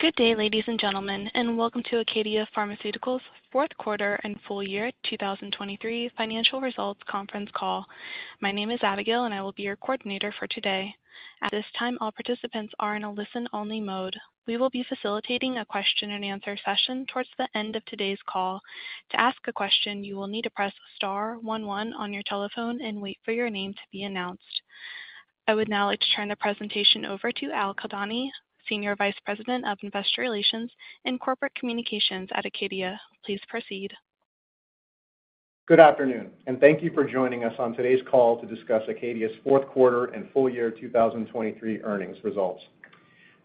Good day, ladies and gentlemen, and welcome to Acadia Pharmaceuticals' fourth quarter and full year 2023 financial results conference call. My name is Abigail, and I will be your coordinator for today. At this time, all participants are in a listen-only mode. We will be facilitating a question-and-answer session towards the end of today's call. To ask a question, you will need to press star one one on your telephone and wait for your name to be announced. I would now like to turn the presentation over to Albert Kildani, Senior Vice President of Investor Relations and Corporate Communications at Acadia. Please proceed. Good afternoon, and thank you for joining us on today's call to discuss Acadia's fourth quarter and full year 2023 earnings results.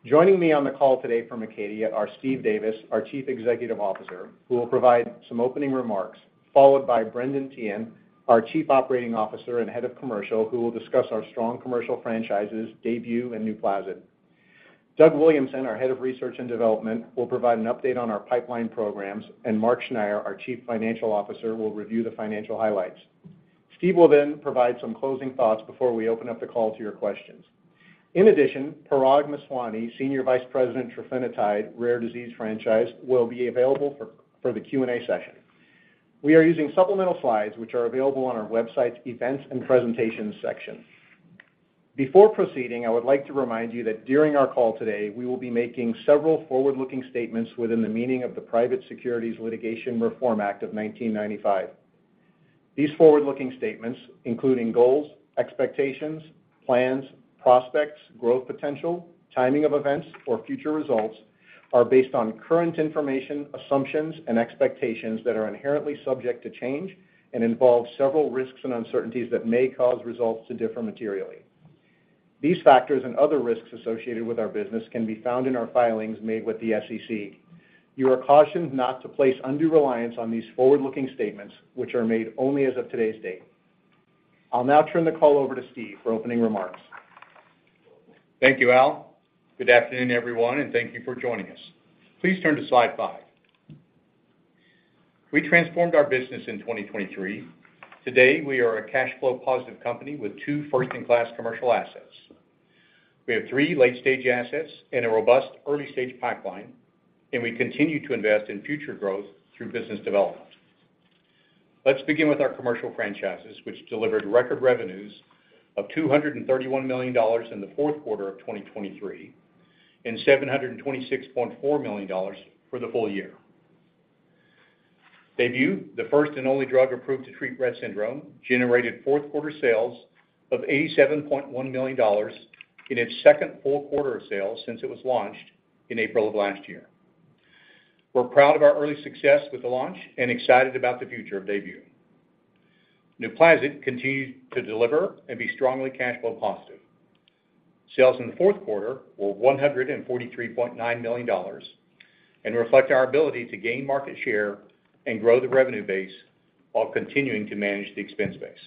Joining me on the call today from Acadia are Steve Davis, our Chief Executive Officer, who will provide some opening remarks, followed by Brendan Teehan, our Chief Operating Officer and Head of Commercial, who will discuss our strong commercial franchises, DAYBUE and NUPLAZID. Doug Williamson, our Head of Research and Development, will provide an update on our pipeline programs, and Mark Schneyer, our Chief Financial Officer, will review the financial highlights. Steve will then provide some closing thoughts before we open up the call to your questions. In addition, Parag Meswani, Senior Vice President, Trofinetide, Rare Disease Franchise, will be available for the Q&A session. We are using supplemental slides, which are available on our website's Events and Presentations section. Before proceeding, I would like to remind you that during our call today, we will be making several forward-looking statements within the meaning of the Private Securities Litigation Reform Act of 1995. These forward-looking statements, including goals, expectations, plans, prospects, growth potential, timing of events, or future results, are based on current information, assumptions, and expectations that are inherently subject to change and involve several risks and uncertainties that may cause results to differ materially. These factors and other risks associated with our business can be found in our filings made with the SEC. You are cautioned not to place undue reliance on these forward-looking statements, which are made only as of today's date. I'll now turn the call over to Steve for opening remarks. Thank you, Al. Good afternoon, everyone, and thank you for joining us. Please turn to slide five. We transformed our business in 2023. Today, we are a cash flow positive company with two first-in-class commercial assets. We have three late-stage assets and a robust early-stage pipeline, and we continue to invest in future growth through business development. Let's begin with our commercial franchises, which delivered record revenues of $231 million in the fourth quarter of 2023 and $726.4 million for the full year. DAYBUE, the first and only drug approved to treat Rett syndrome, generated fourth-quarter sales of $87.1 million in its second full quarter of sales since it was launched in April of last year. We're proud of our early success with the launch and excited about the future of DAYBUE. NUPLAZID continues to deliver and be strongly cash flow positive. Sales in the fourth quarter were $143.9 million and reflect our ability to gain market share and grow the revenue base while continuing to manage the expense base.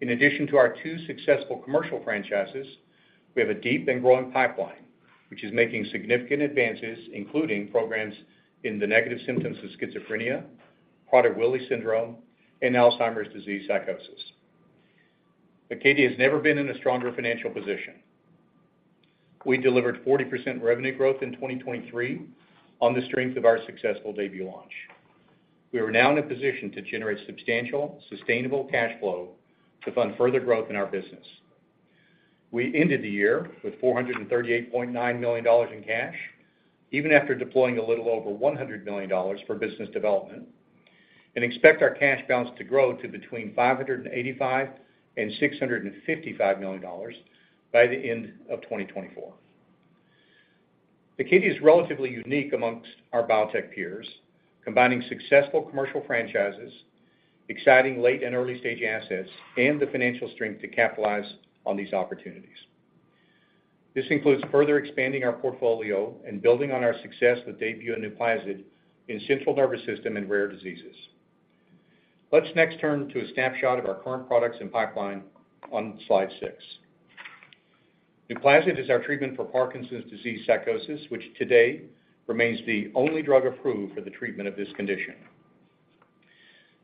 In addition to our two successful commercial franchises, we have a deep and growing pipeline, which is making significant advances, including programs in the negative symptoms of schizophrenia, Prader-Willi syndrome, and Alzheimer's disease psychosis. Acadia has never been in a stronger financial position. We delivered 40% revenue growth in 2023 on the strength of our successful DAYBUE launch. We are now in a position to generate substantial, sustainable cash flow to fund further growth in our business. We ended the year with $438.9 million in cash, even after deploying a little over $100 million for business development, and expect our cash balance to grow to between $585 million and $655 million by the end of 2024. Acadia is relatively unique amongst our biotech peers, combining successful commercial franchises, exciting late and early-stage assets, and the financial strength to capitalize on these opportunities. This includes further expanding our portfolio and building on our success with DAYBUE and NUPLAZID in central nervous system and rare diseases. Let's next turn to a snapshot of our current products and pipeline on Slide six. NUPLAZID is our treatment for Parkinson's disease psychosis, which today remains the only drug approved for the treatment of this condition.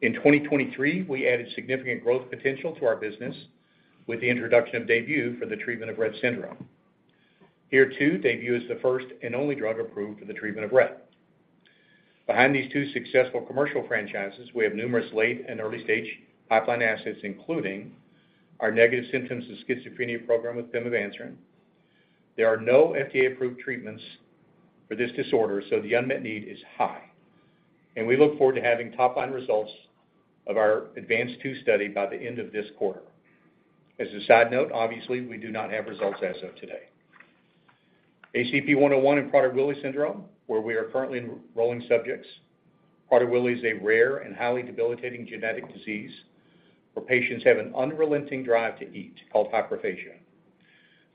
In 2023, we added significant growth potential to our business with the introduction of DAYBUE for the treatment of Rett syndrome. Here, too, DAYBUE is the first and only drug approved for the treatment of Rett. Behind these two successful commercial franchises, we have numerous late and early-stage pipeline assets, including our negative symptoms of schizophrenia program with Pimavanserin. There are no FDA-approved treatments for this disorder, so the unmet need is high, and we look forward to having top-line results of our ADVANCE-2 study by the end of this quarter. As a side note, obviously, we do not have results as of today. ACP-101 in Prader-Willi syndrome, where we are currently enrolling subjects. Prader-Willi is a rare and highly debilitating genetic disease, where patients have an unrelenting drive to eat, called hyperphagia.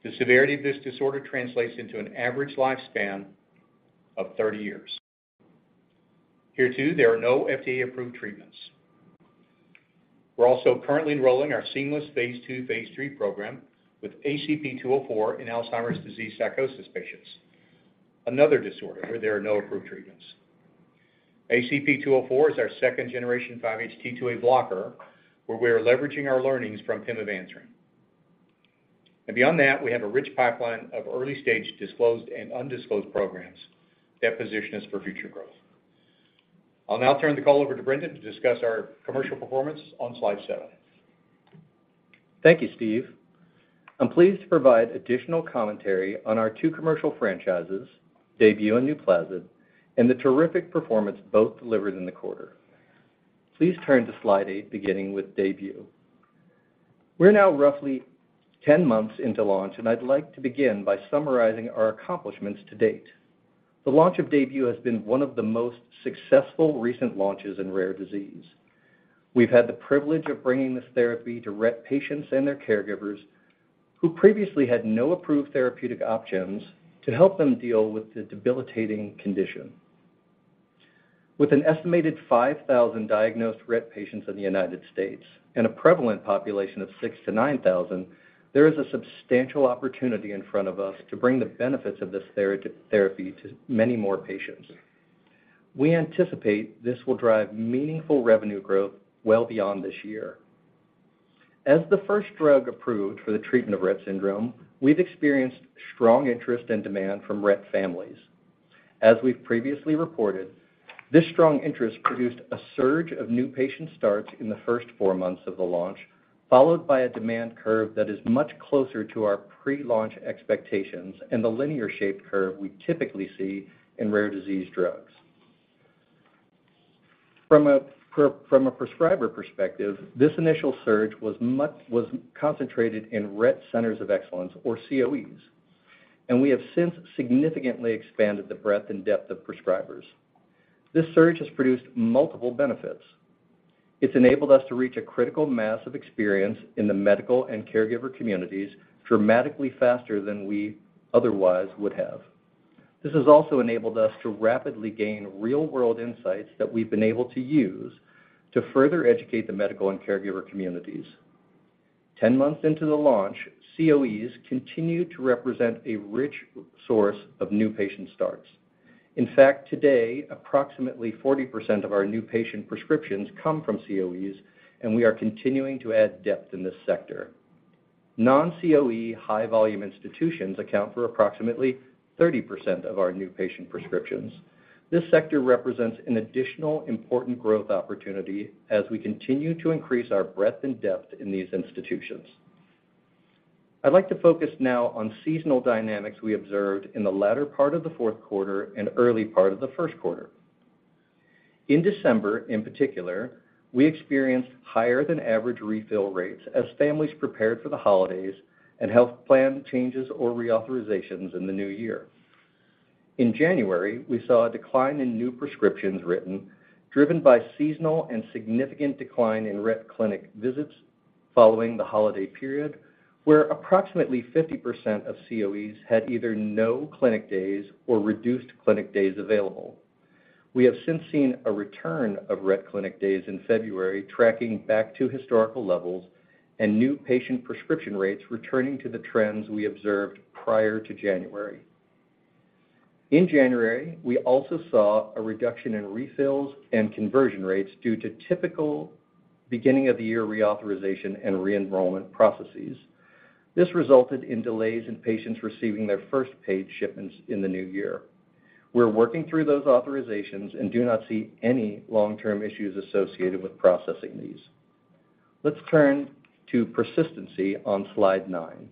The severity of this disorder translates into an average lifespan of 30 years. Here, too, there are no FDA-approved treatments. We're also currently enrolling our seamless Phase II, Phase III program with ACP-204 in Alzheimer's disease psychosis patients, another disorder where there are no approved treatments… ACP-204 is our second-generation 5-HT2A blocker, where we are leveraging our learnings from Pimavanserin. And beyond that, we have a rich pipeline of early-stage disclosed and undisclosed programs that position us for future growth. I'll now turn the call over to Brendan to discuss our commercial performance on Slide seven. Thank you, Steve. I'm pleased to provide additional commentary on our two commercial franchises, DAYBUE and NUPLAZID, and the terrific performance both delivered in the quarter. Please turn to Slide eight, beginning with DAYBUE. We're now roughly 10 months into launch, and I'd like to begin by summarizing our accomplishments to date. The launch of DAYBUE has been one of the most successful recent launches in rare disease. We've had the privilege of bringing this therapy to Rett patients and their caregivers, who previously had no approved therapeutic options to help them deal with the debilitating condition. With an estimated 5,000 diagnosed Rett patients in the United States and a prevalent population of 6,000-9,000, there is a substantial opportunity in front of us to bring the benefits of this therapy to many more patients. We anticipate this will drive meaningful revenue growth well beyond this year. As the first drug approved for the treatment of Rett syndrome, we've experienced strong interest and demand from Rett families. As we've previously reported, this strong interest produced a surge of new patient starts in the first four months of the launch, followed by a demand curve that is much closer to our pre-launch expectations and the linear-shaped curve we typically see in rare disease drugs. From a prescriber perspective, this initial surge was concentrated in Rett Centers of Excellence, or COEs, and we have since significantly expanded the breadth and depth of prescribers. This surge has produced multiple benefits. It's enabled us to reach a critical mass of experience in the medical and caregiver communities dramatically faster than we otherwise would have. This has also enabled us to rapidly gain real-world insights that we've been able to use to further educate the medical and caregiver communities. 10 months into the launch, COEs continue to represent a rich source of new patient starts. In fact, today, approximately 40% of our new patient prescriptions come from COEs, and we are continuing to add depth in this sector. Non-COE high-volume institutions account for approximately 30% of our new patient prescriptions. This sector represents an additional important growth opportunity as we continue to increase our breadth and depth in these institutions. I'd like to focus now on seasonal dynamics we observed in the latter part of the fourth quarter and early part of the first quarter. In December, in particular, we experienced higher-than-average refill rates as families prepared for the holidays and health plan changes or reauthorizations in the new year. In January, we saw a decline in new prescriptions written, driven by seasonal and significant decline in Rett clinic visits following the holiday period, where approximately 50% of COEs had either no clinic days or reduced clinic days available. We have since seen a return of Rett clinic days in February, tracking back to historical levels and new patient prescription rates returning to the trends we observed prior to January. In January, we also saw a reduction in refills and conversion rates due to typical beginning-of-the-year reauthorization and re-enrollment processes. This resulted in delays in patients receiving their first paid shipments in the new year. We're working through those authorizations and do not see any long-term issues associated with processing these. Let's turn to persistency on Slide nine.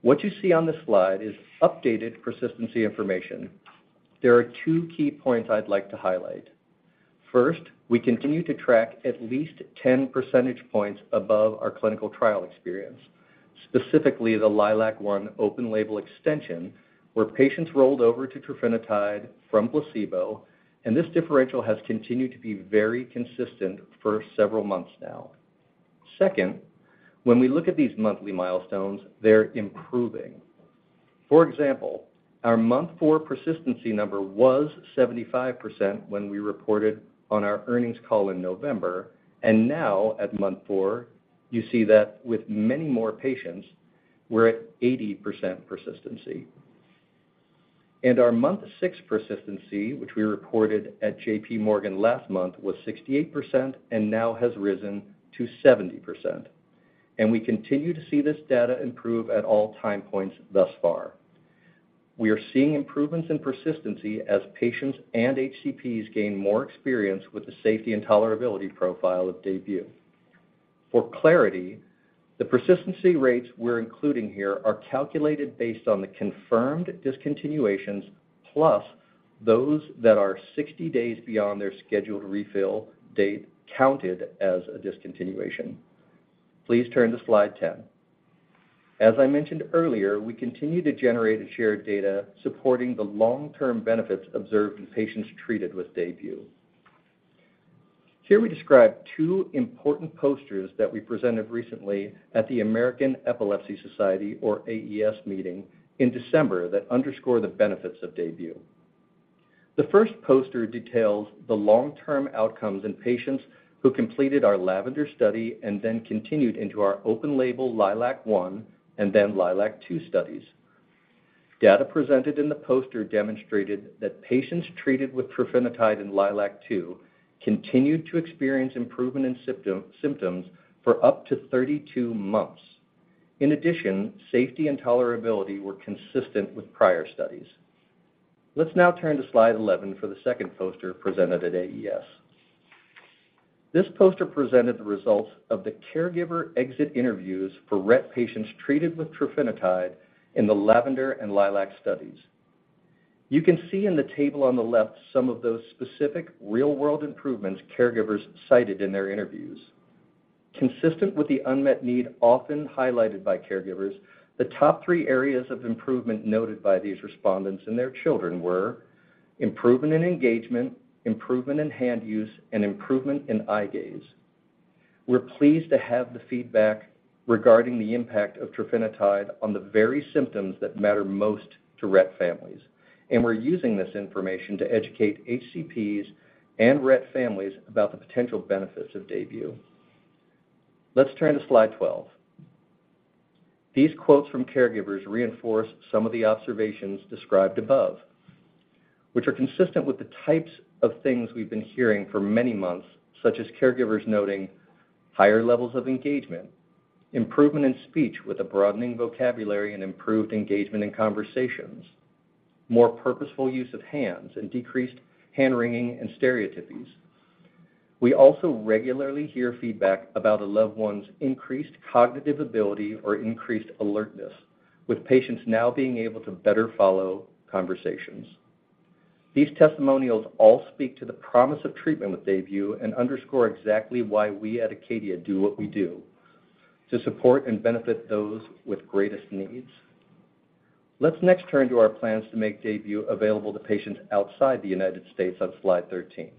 What you see on this slide is updated persistency information. There are two key points I'd like to highlight. First, we continue to track at least 10 percentage points above our clinical trial experience, specifically the LILAC-1 open-label extension, where patients rolled over to Trofinetide from placebo, and this differential has continued to be very consistent for several months now. Second, when we look at these monthly milestones, they're improving. For example, our Month 4 persistency number was 75% when we reported on our earnings call in November, and now at Month 4, you see that with many more patients, we're at 80% persistency. And our Month 6 persistency, which we reported at J.P. Morgan last month, was 68% and now has risen to 70%, and we continue to see this data improve at all time points thus far. We are seeing improvements in persistency as patients and HCPs gain more experience with the safety and tolerability profile of DAYBUE. For clarity, the persistency rates we're including here are calculated based on the confirmed discontinuations, plus those that are 60 days beyond their scheduled refill date, counted as a discontinuation. Please turn to Slide 10. As I mentioned earlier, we continue to generate and share data supporting the long-term benefits observed in patients treated with DAYBUE. Here we describe two important posters that we presented recently at the American Epilepsy Society, or AES, meeting in December that underscore the benefits of DAYBUE. The first poster details the long-term outcomes in patients who completed our LAVENDER study and then continued into our open label, LILAC I, and then LILAC II studies. Data presented in the poster demonstrated that patients treated with Trofinetide in LILAC 2 continued to experience improvement in symptom, symptoms for up to 32 months. In addition, safety and tolerability were consistent with prior studies. Let's now turn to slide 11 for the second poster presented at AES. This poster presented the results of the caregiver exit interviews for Rett patients treated with Trofinetide in the LAVENDER and LILAC studies. You can see in the table on the left some of those specific real-world improvements caregivers cited in their interviews. Consistent with the unmet need often highlighted by caregivers, the top three areas of improvement noted by these respondents and their children were: improvement in engagement, improvement in hand use, and improvement in eye gaze. We're pleased to have the feedback regarding the impact of Trofinetide on the very symptoms that matter most to Rett families, and we're using this information to educate HCPs and Rett families about the potential benefits of DAYBUE. Let's turn to slide 12. These quotes from caregivers reinforce some of the observations described above, which are consistent with the types of things we've been hearing for many months, such as caregivers noting higher levels of engagement, improvement in speech with a broadening vocabulary and improved engagement in conversations, more purposeful use of hands, and decreased hand-wringing and stereotypies. We also regularly hear feedback about a loved one's increased cognitive ability or increased alertness, with patients now being able to better follow conversations. These testimonials all speak to the promise of treatment with DAYBUE and underscore exactly why we at Acadia do what we do, to support and benefit those with greatest needs. Let's next turn to our plans to make DAYBUE available to patients outside the United States on slide 13.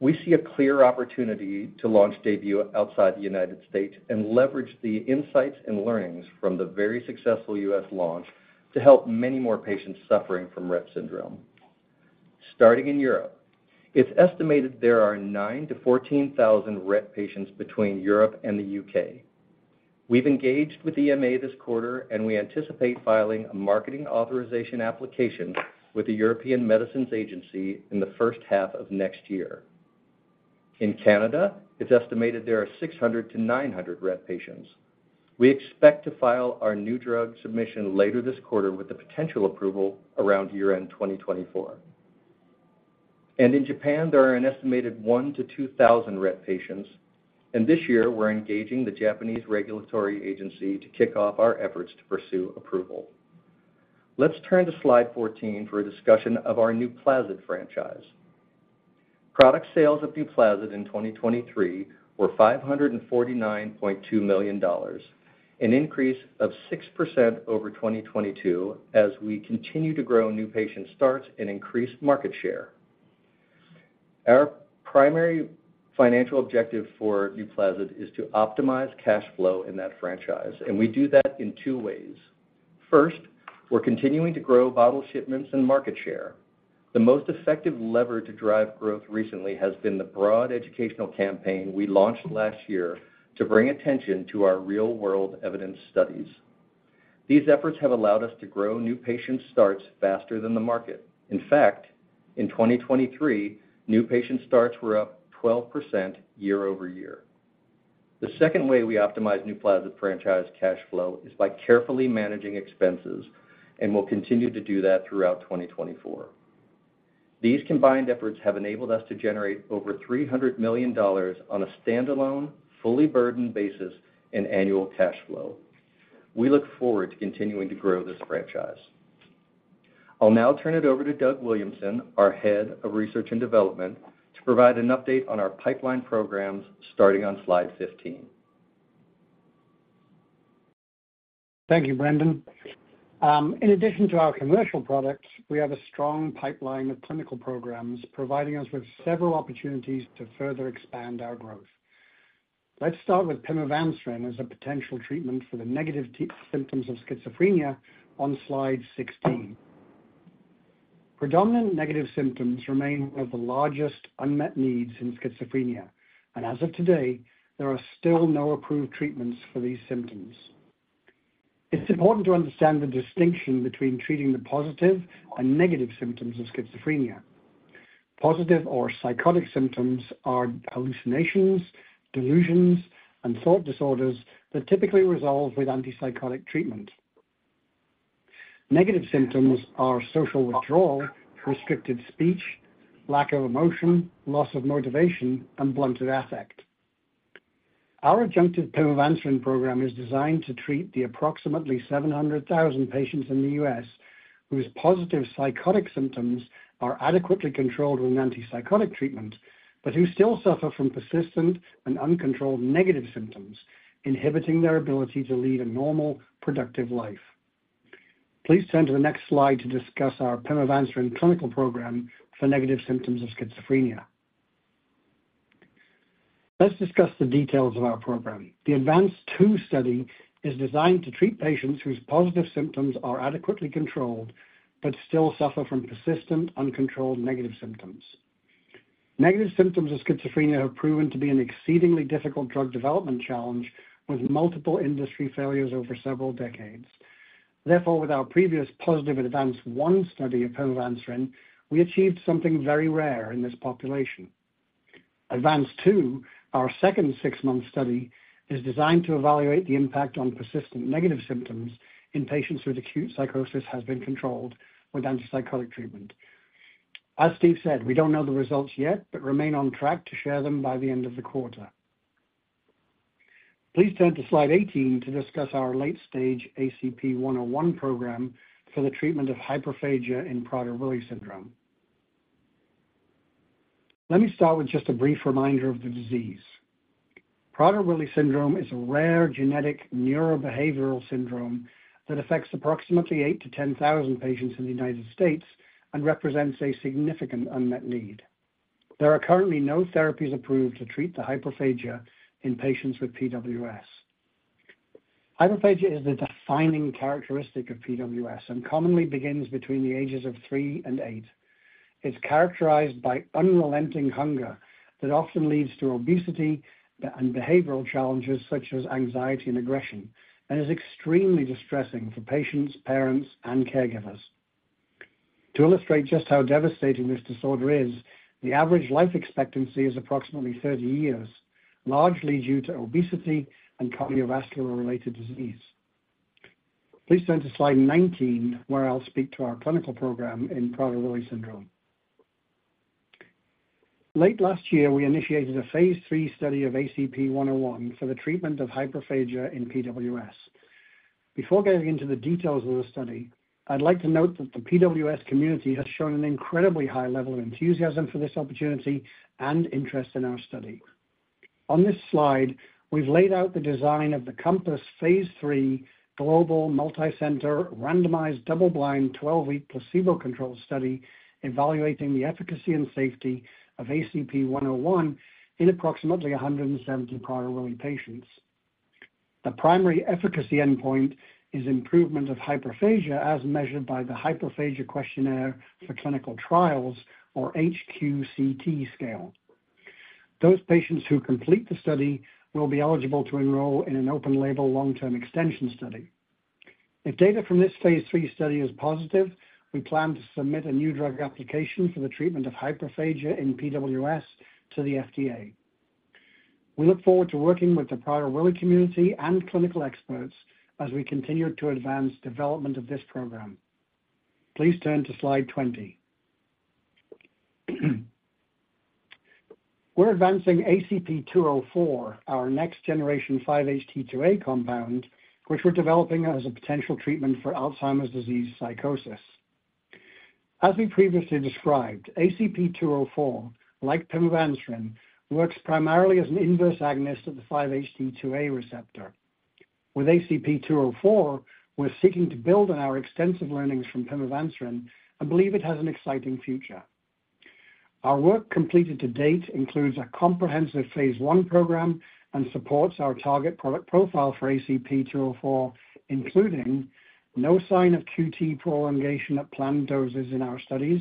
We see a clear opportunity to launch DAYBUE outside the United States and leverage the insights and learnings from the very successful U.S. launch to help many more patients suffering from Rett syndrome. Starting in Europe, it's estimated there are 9,000-14,000 Rett patients between Europe and the U.K. We've engaged with EMA this quarter, and we anticipate filing a marketing authorization application with the European Medicines Agency in the first half of next year. In Canada, it's estimated there are 600-900 Rett patients. We expect to file our new drug submission later this quarter with the potential approval around year-end 2024. In Japan, there are an estimated 1,000-2,000 Rett patients, and this year we're engaging the Japanese Regulatory Agency to kick off our efforts to pursue approval. Let's turn to slide 14 for a discussion of our NUPLAZID franchise. Product sales of NUPLAZID in 2023 were $549.2 million, an increase of 6% over 2022 as we continue to grow new patient starts and increase market share. Our primary financial objective for NUPLAZID is to optimize cash flow in that franchise, and we do that in two ways. First, we're continuing to grow bottle shipments and market share. The most effective lever to drive growth recently has been the broad educational campaign we launched last year to bring attention to our real-world evidence studies. These efforts have allowed us to grow new patient starts faster than the market. In fact, in 2023, new patient starts were up 12% year-over-year. The second way we optimize NUPLAZID franchise cash flow is by carefully managing expenses, and we'll continue to do that throughout 2024. These combined efforts have enabled us to generate over $300 million on a standalone, fully burdened basis in annual cash flow. We look forward to continuing to grow this franchise. I'll now turn it over to Doug Williamson, our Head of Research and Development, to provide an update on our pipeline programs, starting on slide 15. Thank you, Brendan. In addition to our commercial products, we have a strong pipeline of clinical programs providing us with several opportunities to further expand our growth. Let's start with Pimavanserin as a potential treatment for the negative symptoms of schizophrenia on slide 16. Predominant negative symptoms remain one of the largest unmet needs in schizophrenia, and as of today, there are still no approved treatments for these symptoms. It's important to understand the distinction between treating the positive and negative symptoms of schizophrenia. Positive or psychotic symptoms are hallucinations, delusions, and thought disorders that typically resolve with antipsychotic treatment. Negative symptoms are social withdrawal, restricted speech, lack of emotion, loss of motivation, and blunted affect. Our adjunctive Pimavanserin program is designed to treat the approximately 700,000 patients in the U.S. whose positive psychotic symptoms are adequately controlled with an antipsychotic treatment, but who still suffer from persistent and uncontrolled negative symptoms, inhibiting their ability to lead a normal, productive life. Please turn to the next slide to discuss our Pimavanserin clinical program for negative symptoms of schizophrenia. Let's discuss the details of our program. The ADVANCE-2 study is designed to treat patients whose positive symptoms are adequately controlled but still suffer from persistent, uncontrolled negative symptoms.... Negative symptoms of schizophrenia have proven to be an exceedingly difficult drug development challenge, with multiple industry failures over several decades. Therefore, with our previous positive ADVANCE-1 study of Pimavanserin, we achieved something very rare in this population. ADVANCE-2, our second six-month study, is designed to evaluate the impact on persistent negative symptoms in patients with acute psychosis has been controlled with antipsychotic treatment. As Steve said, we don't know the results yet, but remain on track to share them by the end of the quarter. Please turn to slide 18 to discuss our late-stage ACP-101 program for the treatment of hyperphagia in Prader-Willi syndrome. Let me start with just a brief reminder of the disease. Prader-Willi syndrome is a rare genetic neurobehavioral syndrome that affects approximately 8,000-10,000 patients in the United States and represents a significant unmet need. There are currently no therapies approved to treat the hyperphagia in patients with PWS. Hyperphagia is the defining characteristic of PWS and commonly begins between the ages of 3 and 8. It's characterized by unrelenting hunger that often leads to obesity and behavioral challenges such as anxiety and aggression, and is extremely distressing for patients, parents, and caregivers. To illustrate just how devastating this disorder is, the average life expectancy is approximately 30 years, largely due to obesity and cardiovascular-related disease. Please turn to slide 19, where I'll speak to our clinical program in Prader-Willi syndrome. Late last year, we initiated a phase III study of ACP-101 for the treatment of hyperphagia in PWS. Before getting into the details of the study, I'd like to note that the PWS community has shown an incredibly high level of enthusiasm for this opportunity and interest in our study. On this slide, we've laid out the design of the COMPASS phase III global, multicenter, randomized, double-blind, 12-week placebo-controlled study, evaluating the efficacy and safety of ACP-101 in approximately 170 Prader-Willi patients. The primary efficacy endpoint is improvement of hyperphagia, as measured by the Hyperphagia Questionnaire for Clinical Trials, or HQCT scale. Those patients who complete the study will be eligible to enroll in an open-label, long-term extension study. If data from this phase III study is positive, we plan to submit a new drug application for the treatment of hyperphagia in PWS to the FDA. We look forward to working with the Prader-Willi community and clinical experts as we continue to advance development of this program. Please turn to slide 20. We're advancing ACP-204, our next generation 5-HT2A compound, which we're developing as a potential treatment for Alzheimer's disease psychosis. As we previously described, ACP-204, like Pimavanserin, works primarily as an inverse agonist of the 5-HT2A receptor. With ACP-204, we're seeking to build on our extensive learnings from Pimavanserin and believe it has an exciting future. Our work completed to date includes a comprehensive phase I program and supports our target product profile for ACP-204, including no sign of QT prolongation at planned doses in our studies,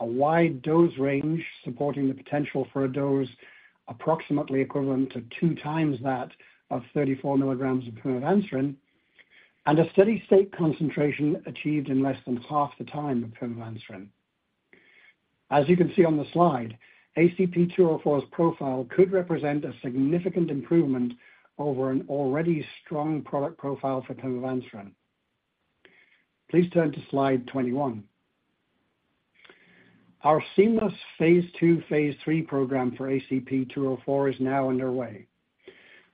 a wide dose range supporting the potential for a dose approximately equivalent to two times that of 34 milligrams of Pimavanserin, and a steady state concentration achieved in less than half the time of Pimavanserin. As you can see on the slide, ACP-204's profile could represent a significant improvement over an already strong product profile for Pimavanserin. Please turn to slide 21. Our seamless phase II, phase III program for ACP-204 is now underway.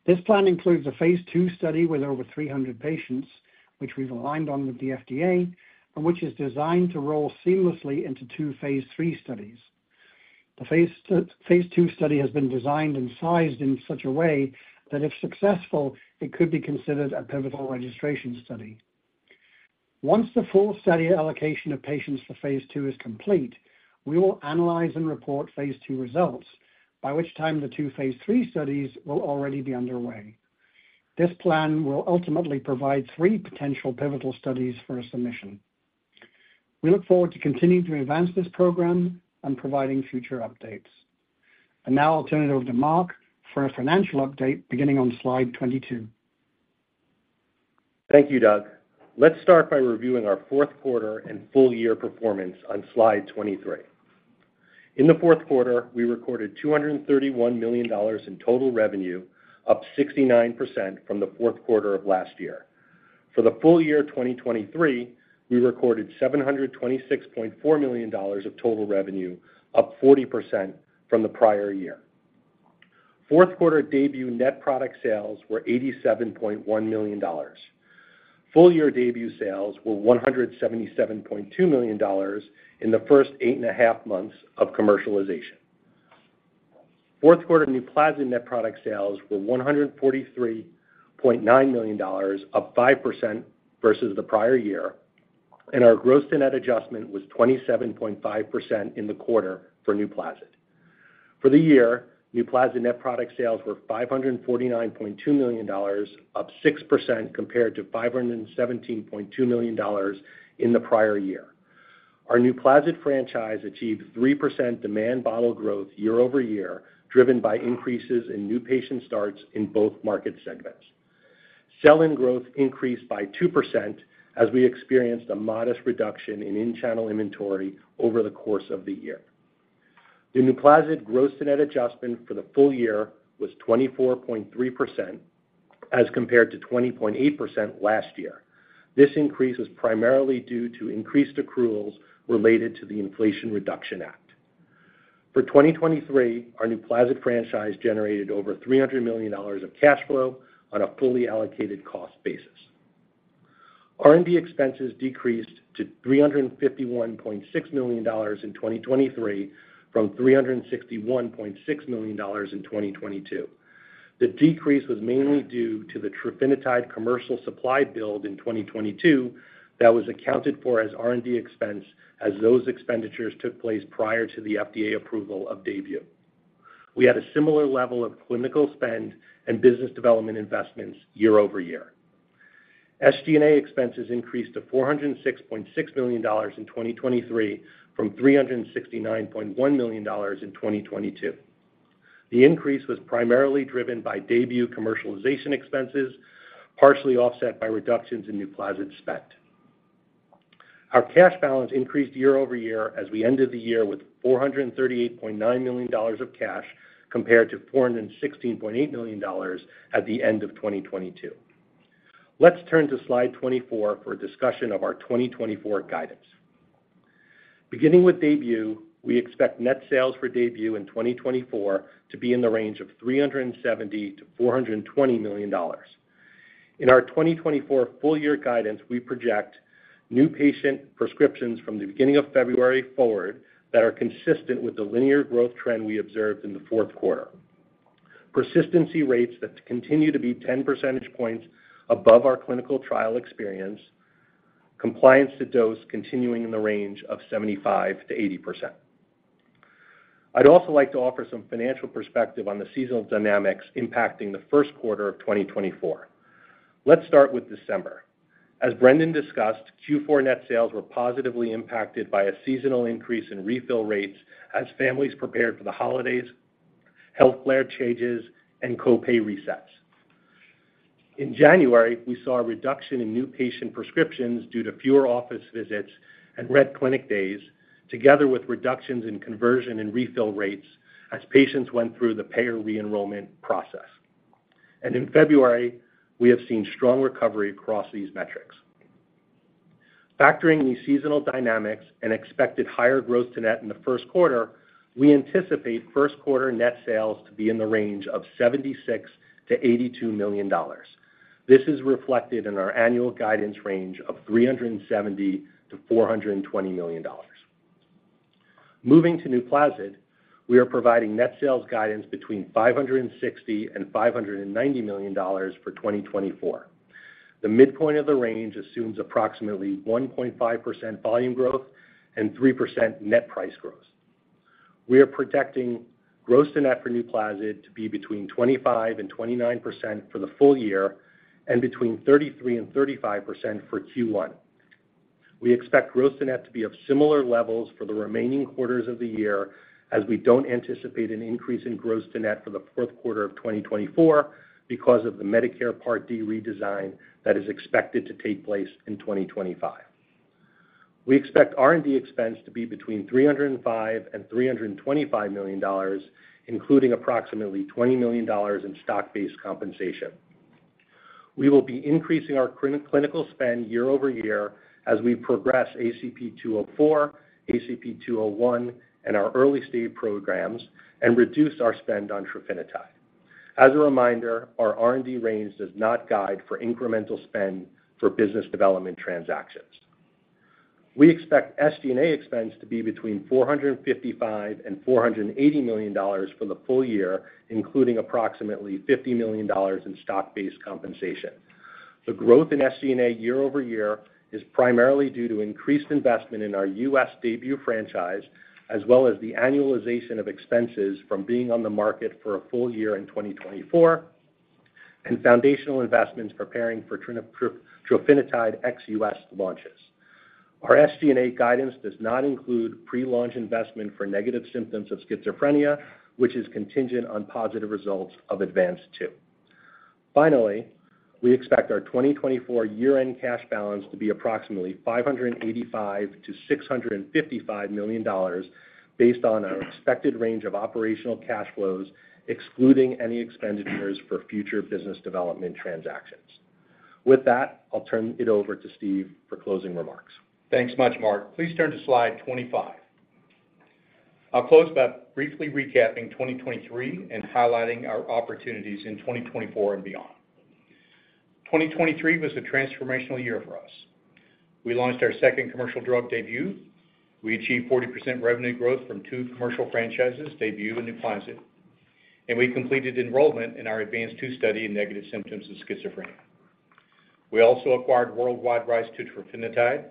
This plan includes a phase II study with over 300 patients, which we've aligned on with the FDA and which is designed to roll seamlessly into two phase III studies. The phase II, phase II study has been designed and sized in such a way that, if successful, it could be considered a pivotal registration study. Once the full study allocation of patients for phase II is complete, we will analyze and report phase II results, by which time the two phase III studies will already be underway. This plan will ultimately provide three potential pivotal studies for a submission. We look forward to continuing to advance this program and providing future updates. And now I'll turn it over to Mark for a financial update, beginning on slide 22. Thank you, Doug. Let's start by reviewing our fourth quarter and full year performance on slide 23. In the fourth quarter, we recorded $231 million in total revenue, up 69% from the fourth quarter of last year. For the full year 2023, we recorded $726.4 million of total revenue, up 40% from the prior year. Fourth quarter DAYBUE net product sales were $87.1 million. Full year DAYBUE sales were $177.2 million in the first 8.5 months of commercialization. Fourth quarter NUPLAZID net product sales were $143.9 million, up 5% versus the prior year, and our gross-to-net adjustment was 27.5% in the quarter for NUPLAZID. For the year, NUPLAZID net product sales were $549.2 million, up 6% compared to $517.2 million in the prior year. Our NUPLAZID franchise achieved 3% demand bottle growth year-over-year, driven by increases in new patient starts in both market segments. Sell-in growth increased by 2% as we experienced a modest reduction in in-channel inventory over the course of the year. The NUPLAZID gross-to-net adjustment for the full year was 24.3%, as compared to 20.8% last year. This increase was primarily due to increased accruals related to the Inflation Reduction Act. For 2023, our NUPLAZID franchise generated over $300 million of cash flow on a fully allocated cost basis. R&D expenses decreased to $351.6 million in 2023, from $361.6 million in 2022. The decrease was mainly due to the Trofinetide commercial supply build in 2022, that was accounted for as R&D expense, as those expenditures took place prior to the FDA approval of DAYBUE. We had a similar level of clinical spend and business development investments year-over-year. SG&A expenses increased to $406.6 million in 2023, from $369.1 million in 2022. The increase was primarily driven by DAYBUE commercialization expenses, partially offset by reductions in NUPLAZID spent. Our cash balance increased year over year as we ended the year with $438.9 million of cash, compared to $416.8 million at the end of 2022. Let's turn to slide 24 for a discussion of our 2024 guidance. Beginning with DAYBUE, we expect net sales for DAYBUE in 2024 to be in the range of $370 million-$420 million. In our 2024 full year guidance, we project new patient prescriptions from the beginning of February forward that are consistent with the linear growth trend we observed in the fourth quarter. Persistency rates that continue to be 10 percentage points above our clinical trial experience, compliance to dose continuing in the range of 75%-80%. I'd also like to offer some financial perspective on the seasonal dynamics impacting the first quarter of 2024. Let's start with December. As Brendan discussed, Q4 net sales were positively impacted by a seasonal increase in refill rates as families prepared for the holidays, health plan changes, and co-pay resets. In January, we saw a reduction in new patient prescriptions due to fewer office visits and red clinic days, together with reductions in conversion and refill rates as patients went through the payer re-enrollment process. In February, we have seen strong recovery across these metrics. Factoring these seasonal dynamics and expected higher growth to net in the first quarter, we anticipate first quarter net sales to be in the range of $76 million-$82 million. This is reflected in our annual guidance range of $370 million-$420 million. Moving to NUPLAZID, we are projecting gross-to-net for NUPLAZID to be between 25% and 29% for the full year and between 33% and 35% for Q1. We expect gross-to-net to be of similar levels for the remaining quarters of the year as we don't anticipate an increase in gross-to-net for the fourth quarter of 2024 because of the Medicare Part D redesign that is expected to take place in 2025. We expect R&D expense to be between $305 million and $325 million, including approximately $20 million in stock-based compensation. We will be increasing our clinical spend year-over-year as we progress ACP-204, ACP201, and our early-stage programs and reduce our spend on Trofinetide. As a reminder, our R&D range does not guide for incremental spend for business development transactions. We expect SG&A expense to be between $455 million and $480 million for the full year, including approximately $50 million in stock-based compensation. The growth in SG&A year-over-year is primarily due to increased investment in our U.S. DAYBUE franchise, as well as the annualization of expenses from being on the market for a full year in 2024, and foundational investments preparing for Trofinetide ex-U.S. launches. Our SG&A guidance does not include pre-launch investment for negative symptoms of schizophrenia, which is contingent on positive results of ADVANCE-2. Finally, we expect our 2024 year-end cash balance to be approximately $585 million-$655 million, based on our expected range of operational cash flows, excluding any expenditures for future business development transactions. With that, I'll turn it over to Steve for closing remarks. Thanks much, Mark. Please turn to slide 25. I'll close by briefly recapping 2023 and highlighting our opportunities in 2024 and beyond. 2023 was a transformational year for us. We launched our second commercial drug, DAYBUE. We achieved 40% revenue growth from two commercial franchises, DAYBUE and NUPLAZID, and we completed enrollment in our ADVANCE-2 study in negative symptoms of schizophrenia. We also acquired worldwide rights to Trofinetide.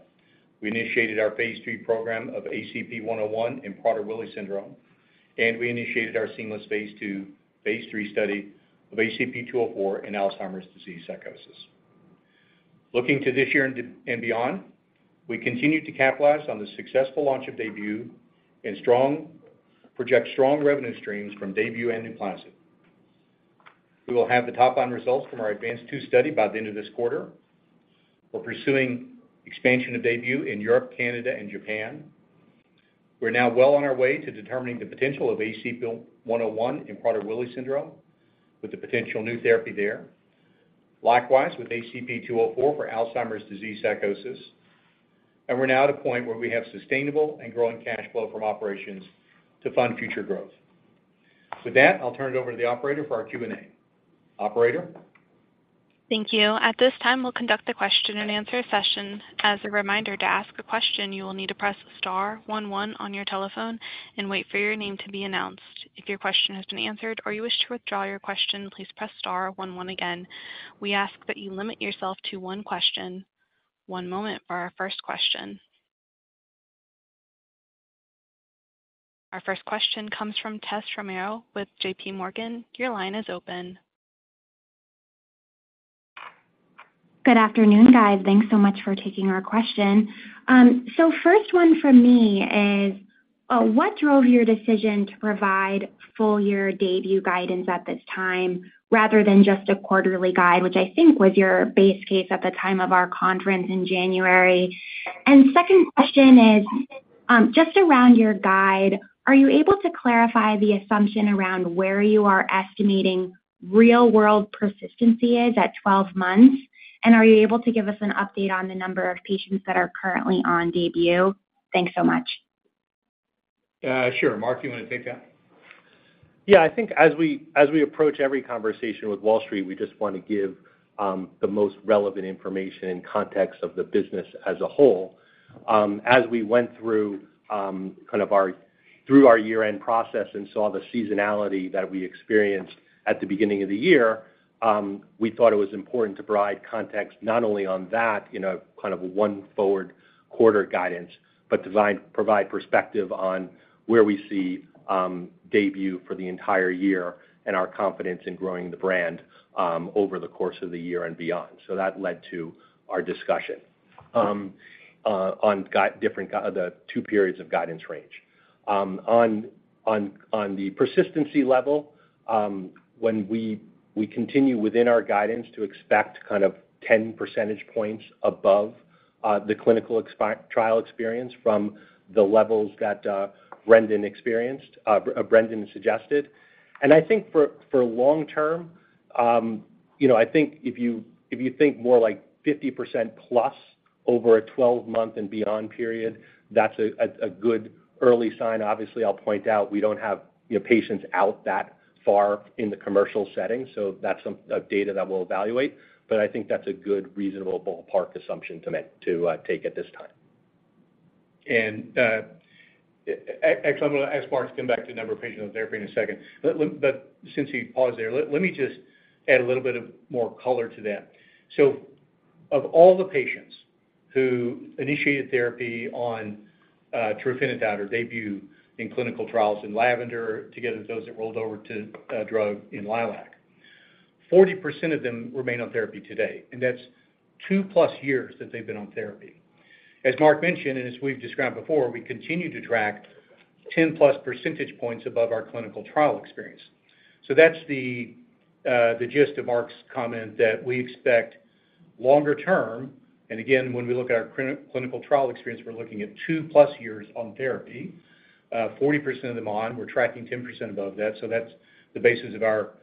We initiated our phase III program of ACP-101 in Prader-Willi syndrome, and we initiated our seamless phase II, phase III study of ACP-204 in Alzheimer's disease psychosis. Looking to this year and beyond, we continue to capitalize on the successful launch of DAYBUE and strong, projected strong revenue streams from DAYBUE and NUPLAZID. We will have the top-line results from our ADVANCE-2 study by the end of this quarter. We're pursuing expansion of DAYBUE in Europe, Canada, and Japan. We're now well on our way to determining the potential of ACP-101 in Prader-Willi syndrome, with the potential new therapy there. Likewise, with ACP-204 for Alzheimer's disease psychosis, and we're now at a point where we have sustainable and growing cash flow from operations to fund future growth. With that, I'll turn it over to the operator for our Q&A. Operator? Thank you. At this time, we'll conduct the question and answer session. As a reminder, to ask a question, you will need to press star one one on your telephone and wait for your name to be announced. If your question has been answered or you wish to withdraw your question, please press star one one again. We ask that you limit yourself to one question. One moment for our first question. Our first question comes from Tessa Romero with JP Morgan. Your line is open. Good afternoon, guys. Thanks so much for taking our question. So first one from me is, what drove your decision to provide full year DAYBUE guidance at this time rather than just a quarterly guide, which I think was your base case at the time of our conference in January? And second question is, just around your guide, are you able to clarify the assumption around where you are estimating real-world persistency is at 12 months? And are you able to give us an update on the number of patients that are currently on DAYBUE? Thanks so much. Sure. Mark, you want to take that? Yeah, I think as we approach every conversation with Wall Street, we just want to give the most relevant information in context of the business as a whole. As we went through kind of our through our year-end process and saw the seasonality that we experienced at the beginning of the year, we thought it was important to provide context not only on that in a kind of a one forward quarter guidance, but provide perspective on where we see DAYBUE for the entire year and our confidence in growing the brand over the course of the year and beyond. So that led to our discussion on guidance, the two periods of guidance range. On the persistency level, when we continue within our guidance to expect kind of 10 percentage points above the clinical trial experience from the levels that Brendan suggested. And I think for long term, you know, I think if you think more like 50% plus over a 12-month and beyond period, that's a good early sign. Obviously, I'll point out we don't have, you know, patients out that far in the commercial setting, so that's some data that we'll evaluate, but I think that's a good reasonable ballpark assumption to make to take at this time. And, actually, I'm gonna ask Mark to come back to the number of patients on therapy in a second. But since he paused there, let me just add a little bit more color to that. So of all the patients who initiated therapy on Trofinetide or DAYBUE in clinical trials in LAVENDER, together with those that rolled over to drug in LILAC, 40% of them remain on therapy today, and that's 2+ years that they've been on therapy. As Mark mentioned, and as we've described before, we continue to track 10+ percentage points above our clinical trial experience. So that's the gist of Mark's comment that we expect longer term, and again, when we look at our clinical trial experience, we're looking at 2+ years on therapy. 40% of them on, we're tracking 10% above that, so that's the basis of our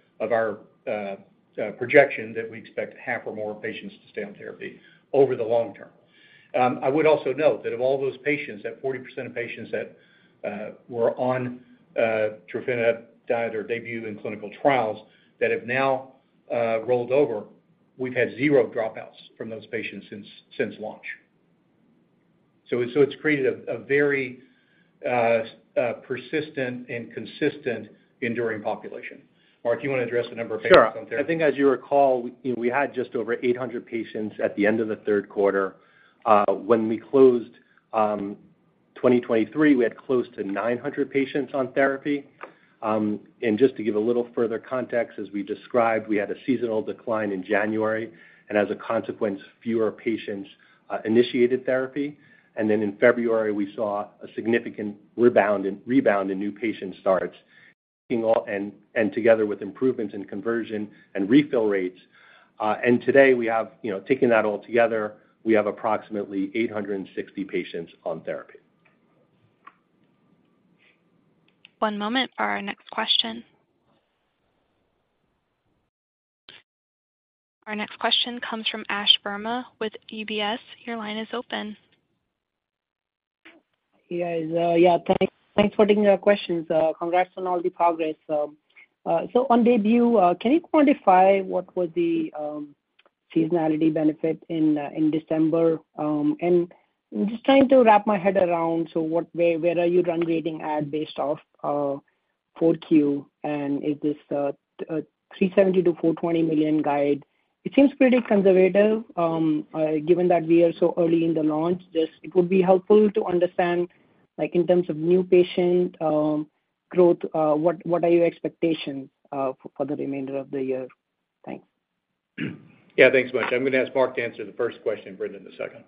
projection that we expect half or more patients to stay on therapy over the long term. I would also note that of all those patients, that 40% of patients that were on Trofinetide or DAYBUE in clinical trials that have now rolled over, we've had 0 dropouts from those patients since launch. So it's created a very persistent and consistent enduring population. Mark, you want to address the number of patients on therapy? Sure. I think as you recall, we, you know, we had just over 800 patients at the end of the third quarter. When we closed 2023, we had close to 900 patients on therapy. And just to give a little further context, as we described, we had a seasonal decline in January, and as a consequence, fewer patients initiated therapy. And then in February, we saw a significant rebound in new patient starts, and together with improvements in conversion and refill rates. And today, we have, you know, taking that all together, we have approximately 860 patients on therapy. One moment for our next question. Our next question comes from Ash Verma with UBS. Your line is open. Yes, yeah, thanks, thanks for taking our questions. Congrats on all the progress. So on DAYBUE, can you quantify what was the seasonality benefit in December? And I'm just trying to wrap my head around, so what, where are you run rate at based off of 4Q, and is this $370 million-$420 million guide? It seems pretty conservative, given that we are so early in the launch. Just it would be helpful to understand, like in terms of new patient. Growth, what are your expectations for the remainder of the year? Thanks. Yeah, thanks much. I'm going to ask Mark to answer the first question, Brendan, the second.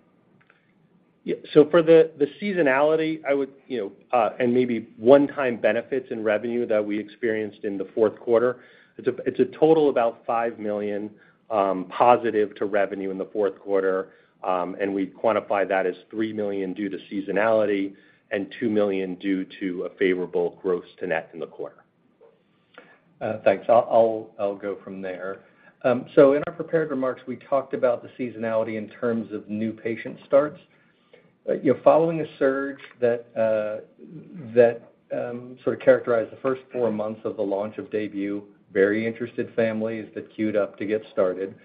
Yeah, so for the seasonality, I would, you know, and maybe one-time benefits in revenue that we experienced in the fourth quarter, it's a total about $5 million positive to revenue in the fourth quarter, and we quantify that as $3 million due to seasonality and $2 million due to a favorable gross-to-net in the quarter. Thanks. I'll go from there. So in our prepared remarks, we talked about the seasonality in terms of new patient starts. You know, following a surge that sort of characterized the first four months of the launch of DAYBUE, very interested families that queued up to get started.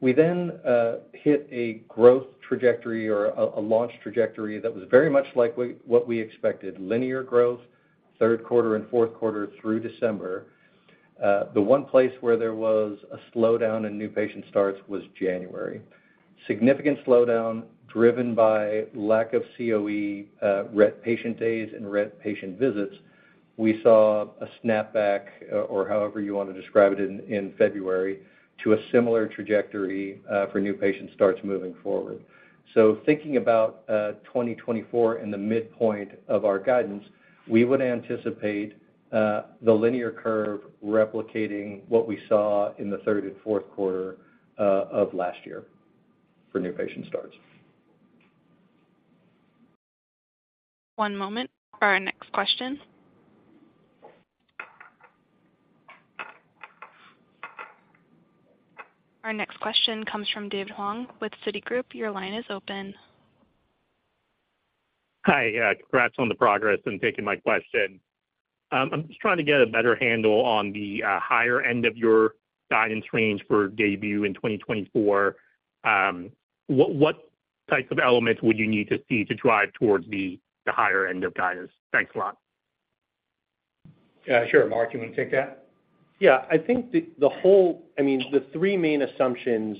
We then hit a growth trajectory or a launch trajectory that was very much like what we expected, linear growth, third quarter and fourth quarter through December. The one place where there was a slowdown in new patient starts was January. Significant slowdown, driven by lack of COE Rett patient days and Rett patient visits. We saw a snapback, or however you want to describe it, in February, to a similar trajectory for new patient starts moving forward. So thinking about 2024 and the midpoint of our guidance, we would anticipate the linear curve replicating what we saw in the third and fourth quarter of last year for new patient starts. One moment for our next question. Our next question comes from David Huang with Citigroup. Your line is open. Hi, yeah, congrats on the progress and taking my question. I'm just trying to get a better handle on the higher end of your guidance range for DAYBUE in 2024. What types of elements would you need to see to drive towards the higher end of guidance? Thanks a lot. Sure. Mark, you want to take that? Yeah, I think the whole—I mean, the three main assumptions,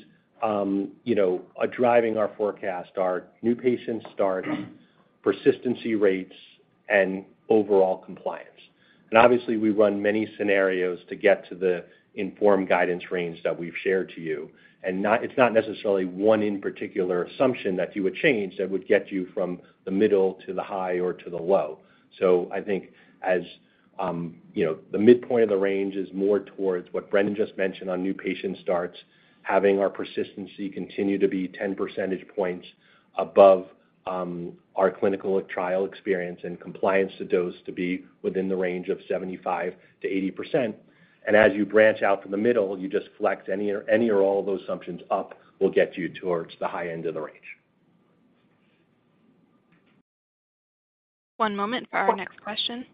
you know, are driving our forecast are new patient starts, persistency rates, and overall compliance. Obviously, we run many scenarios to get to the informed guidance range that we've shared to you. It's not necessarily one in particular assumption that you would change that would get you from the middle to the high or to the low. I think as, you know, the midpoint of the range is more towards what Brendan just mentioned on new patient starts, having our persistency continue to be 10 percentage points above our clinical trial experience, and compliance to dose to be within the range of 75%-80%. As you branch out from the middle, you just flex any or all of those assumptions up, will get you toward the high end of the range. One moment for our next question.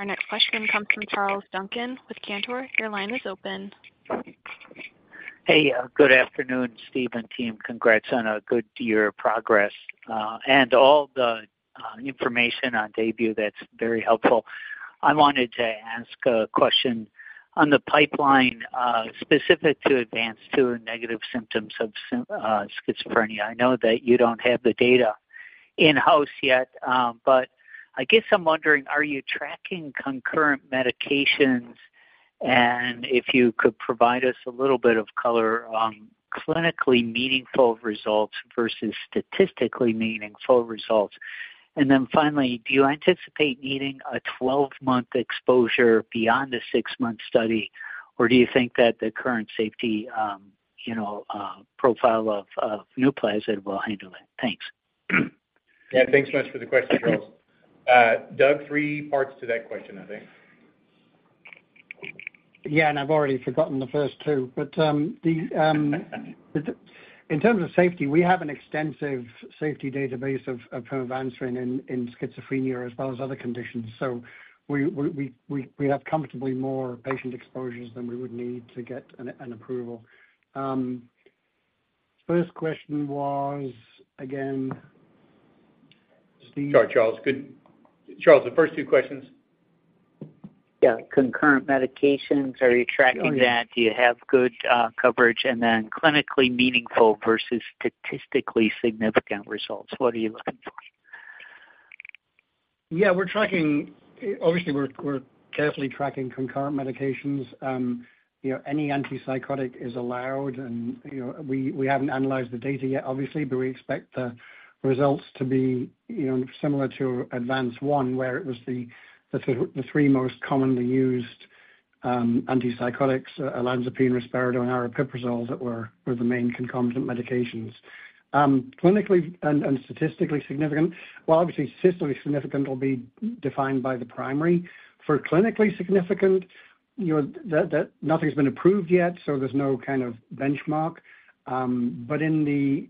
Our next question comes from Charles Duncan with Cantor. Your line is open. Hey, good afternoon, Steve and team. Congrats on a good year of progress, and all the information on DAYBUE, that's very helpful. I wanted to ask a question on the pipeline, specific to ADVANCE-2 and negative symptoms of schizophrenia. I know that you don't have the data in-house yet, but I guess I'm wondering, are you tracking concurrent medications? And if you could provide us a little bit of color on clinically meaningful results versus statistically meaningful results. And then finally, do you anticipate needing a 12-month exposure beyond the 6-month study, or do you think that the current safety, you know, profile of NUPLAZID will handle it? Thanks. Yeah, thanks so much for the question, Charles. Doug, three parts to that question, I think. Yeah, and I've already forgotten the first two. But in terms of safety, we have an extensive safety database of Pimavanserin in schizophrenia as well as other conditions. So we have comfortably more patient exposures than we would need to get an approval. First question was, again, Steve? Sorry, Charles. Good. Charles, the first two questions. Yeah, concurrent medications, are you tracking that? Do you have good coverage? And then clinically meaningful versus statistically significant results, what are you looking for? Yeah, we're tracking. Obviously, we're carefully tracking concurrent medications. You know, any antipsychotic is allowed and, you know, we haven't analyzed the data yet, obviously, but we expect the results to be, you know, similar to ADVANCE-1, where it was the three most commonly used antipsychotics, olanzapine, risperidone, and aripiprazole, that were the main concomitant medications. Clinically and statistically significant. Well, obviously, statistically significant will be defined by the primary. For clinically significant, you know, that nothing's been approved yet, so there's no kind of benchmark. But in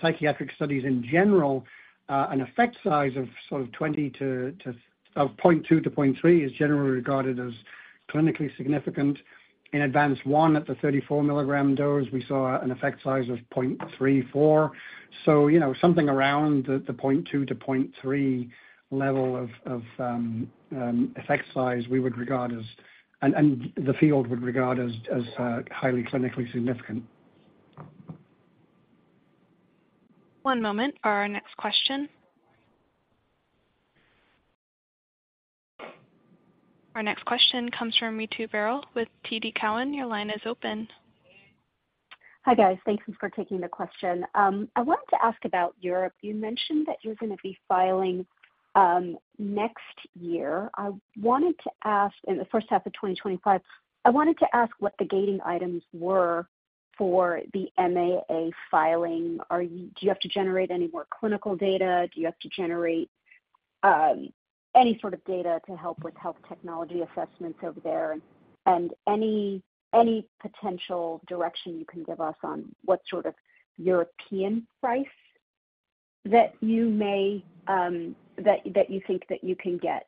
psychiatric studies in general, an effect size of sort of 0.2-0.3 is generally regarded as clinically significant. In ADVANCE-1, at the 34-milligram dose, we saw an effect size of 0.34.So, you know, something around the 0.2-0.3 level of effect size, we would regard as, and the field would regard as highly clinically significant. One moment for our next question. Our next question comes from Ritu Baral with TD Cowen. Your line is open. Hi, guys. Thank you for taking the question. I wanted to ask about Europe. You mentioned that you're going to be filing next year. I wanted to ask... In the first half of 2025. I wanted to ask what the gating items were for the MAA filing. Are you, do you have to generate any more clinical data? Do you have to generate any sort of data to help with health technology assessments over there? And any, any potential direction you can give us on what sort of European price that you may, that, that you think that you can get?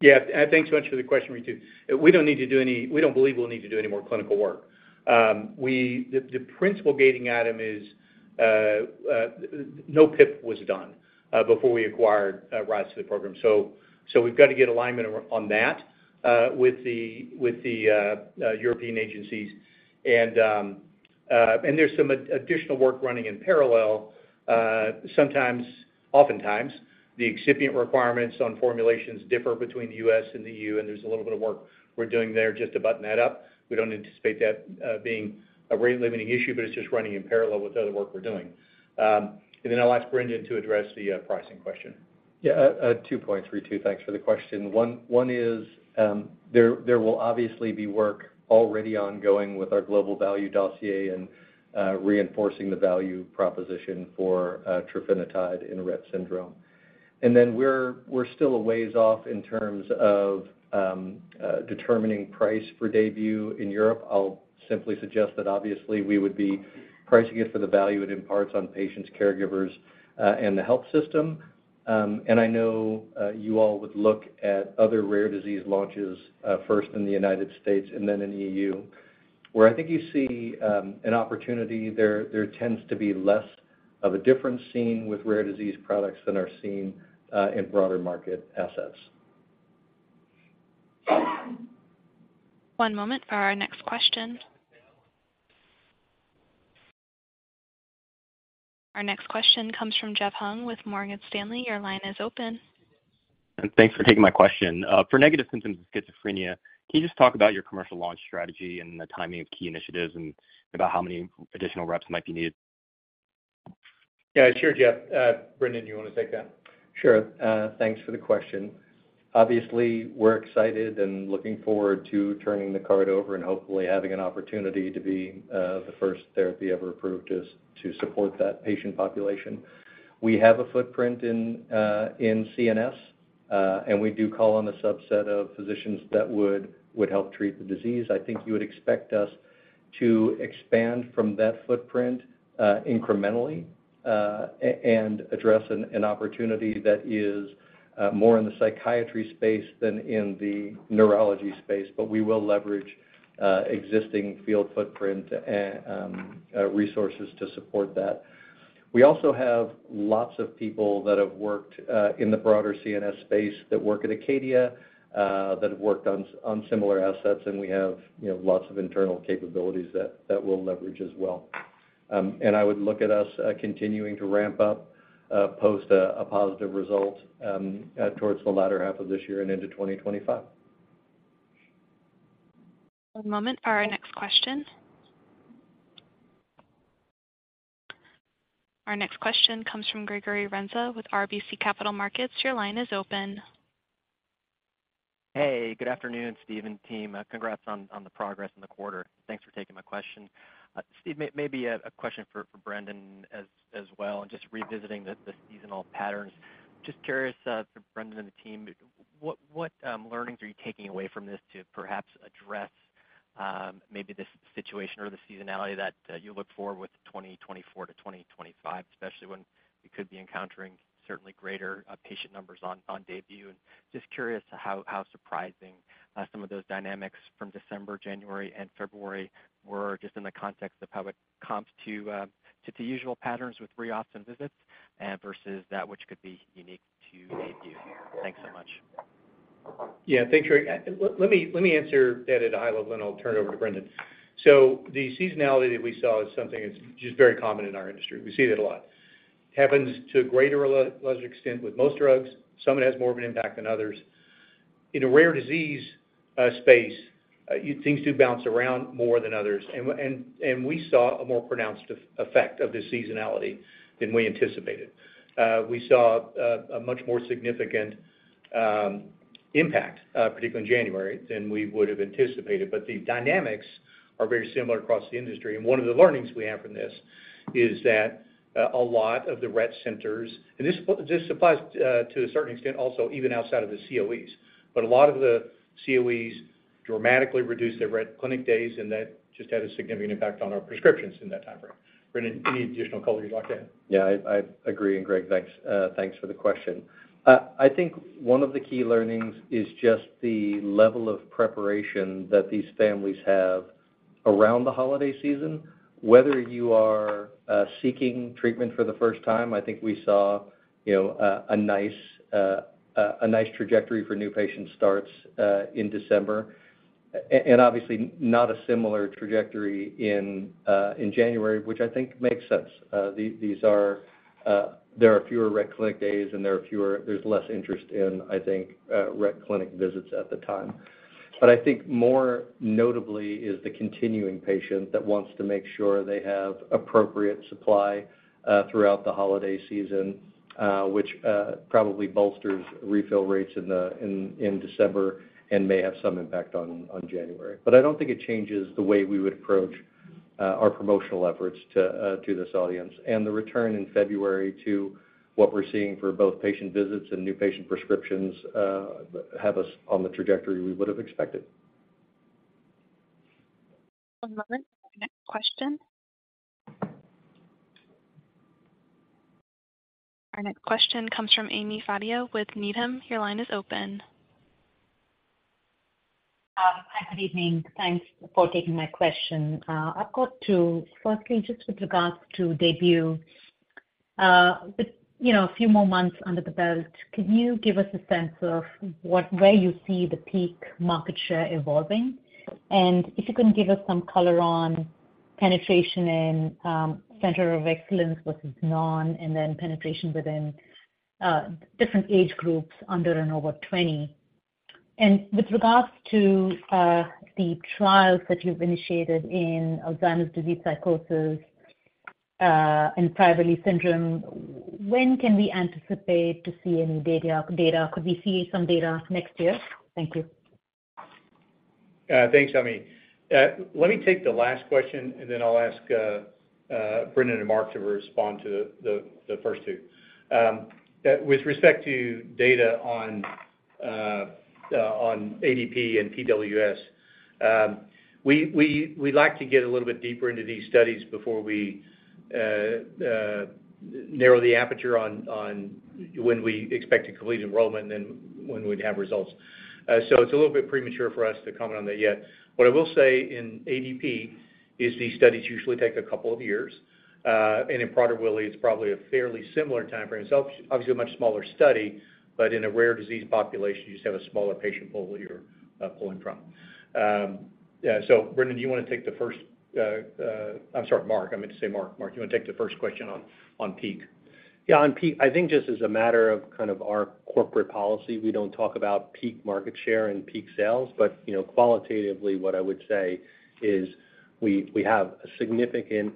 Yeah, thanks so much for the question, Ritu. We don't believe we'll need to do any more clinical work. The principal gating item is no PIP was done before we acquired rights to the program. So we've got to get alignment on that with the European agencies. And there's some additional work running in parallel. Sometimes, oftentimes, the excipient requirements on formulations differ between the US and the EU, and there's a little bit of work we're doing there just to button that up. We don't anticipate that being a rate-limiting issue, but it's just running in parallel with other work we're doing. And then I'll ask Brendan to address the pricing question. Yeah, two points, Ritu. Thanks for the question. One is, there will obviously be work already ongoing with our global value dossier and reinforcing the value proposition for Trofinetide in Rett syndrome. And then we're still a ways off in terms of determining price for debut in Europe. I'll simply suggest that obviously, we would be pricing it for the value it imparts on patients, caregivers, and the health system. And I know you all would look at other rare disease launches first in the United States and then in EU. Where I think you see an opportunity there, there tends to be less of a difference seen with rare disease products than are seen in broader market assets. One moment for our next question. Our next question comes from Jeff Hung with Morgan Stanley. Your line is open. Thanks for taking my question. For negative symptoms of schizophrenia, can you just talk about your commercial launch strategy and the timing of key initiatives and about how many additional reps might be needed? Yeah, sure, Jeff. Brendan, you want to take that? Sure. Thanks for the question. Obviously, we're excited and looking forward to turning the card over and hopefully having an opportunity to be the first therapy ever approved to support that patient population. We have a footprint in CNS, and we do call on a subset of physicians that would help treat the disease. I think you would expect us to expand from that footprint incrementally and address an opportunity that is more in the psychiatry space than in the neurology space, but we will leverage existing field footprint and resources to support that. We also have lots of people that have worked in the broader CNS space that work at Acadia that have worked on similar assets, and we have, you know, lots of internal capabilities that we'll leverage as well. And I would look at us continuing to ramp up post a positive result towards the latter half of this year and into 2025. One moment for our next question. Our next question comes from Gregory Renza with RBC Capital Markets. Your line is open. Hey, good afternoon, Steve and team. Congrats on the progress in the quarter. Thanks for taking my question. Steve, maybe a question for Brendan as well, and just revisiting the seasonal patterns. Just curious, for Brendan and the team, what learnings are you taking away from this to perhaps address maybe this situation or the seasonality that you look for with 2024 to 2025, especially when you could be encountering certainly greater patient numbers on DAYBUE? Just curious to how surprising some of those dynamics from December, January, and February were, just in the context of how it comps to the usual patterns with re-auth and visits versus that which could be unique to DAYBUE. Thanks so much. Yeah, thanks, Greg. Let me answer that at a high level, and I'll turn it over to Brendan. So the seasonality that we saw is something that's just very common in our industry. We see that a lot. Happens to a greater or lesser extent with most drugs. Some, it has more of an impact than others. In a rare disease space, it seems to bounce around more than others. And we saw a more pronounced effect of this seasonality than we anticipated. We saw a much more significant impact, particularly in January, than we would have anticipated. But the dynamics are very similar across the industry, and one of the learnings we have from this is that a lot of the Rett centers...And this, this applies to a certain extent, also even outside of the COEs, but a lot of the COEs dramatically reduced their Rett clinic days, and that just had a significant impact on our prescriptions in that time frame. Brendan, any additional color you'd like to add? Yeah, I agree. And Greg, thanks for the question. I think one of the key learnings is just the level of preparation that these families have around the holiday season. Whether you are seeking treatment for the first time, I think we saw, you know, a nice trajectory for new patient starts in December. And obviously not a similar trajectory in January, which I think makes sense. These are fewer Rett clinic days, and there's less interest in, I think, Rett clinic visits at the time. But I think more notably is the continuing patient that wants to make sure they have appropriate supply throughout the holiday season, which probably bolsters refill rates in December and may have some impact on January. But I don't think it changes the way we would approach our promotional efforts to this audience. And the return in February to what we're seeing for both patient visits and new patient prescriptions have us on the trajectory we would have expected. One moment, next question. Our next question comes from Ami Fadia with Needham. Your line is open. Hi, good evening. Thanks for taking my question. I've got two. Firstly, just with regards to DAYBUE, with, you know, a few more months under the belt, can you give us a sense of what, where you see the peak market share evolving? And if you can give us some color on penetration in Centers of Excellence versus none, and then penetration within different age groups under and over 20. And with regards to the trials that you've initiated in Alzheimer's disease psychosis and Prader-Willi syndrome, when can we anticipate to see any data, data? Could we see some data next year? Thank you. Thanks, Ami. Let me take the last question, and then I'll ask Brendan and Mark to respond to the first two. With respect to data on ADP and PWS, we'd like to get a little bit deeper into these studies before we narrow the aperture on when we expect to complete enrollment and when we'd have results. So it's a little bit premature for us to comment on that yet. What I will say in ADP is these studies usually take a couple of years, and in Prader-Willi, it's probably a fairly similar time frame. So obviously, a much smaller study, but in a rare disease population, you just have a smaller patient pool that you're pulling from. Yeah, so Brendan, do you want to take the first... I'm sorry, Mark. I meant to say Mark. Mark, do you want to take the first question on peak? Yeah, on peak, I think just as a matter of kind of our corporate policy, we don't talk about peak market share and peak sales. But, you know, qualitatively, what I would say is we, we have a significant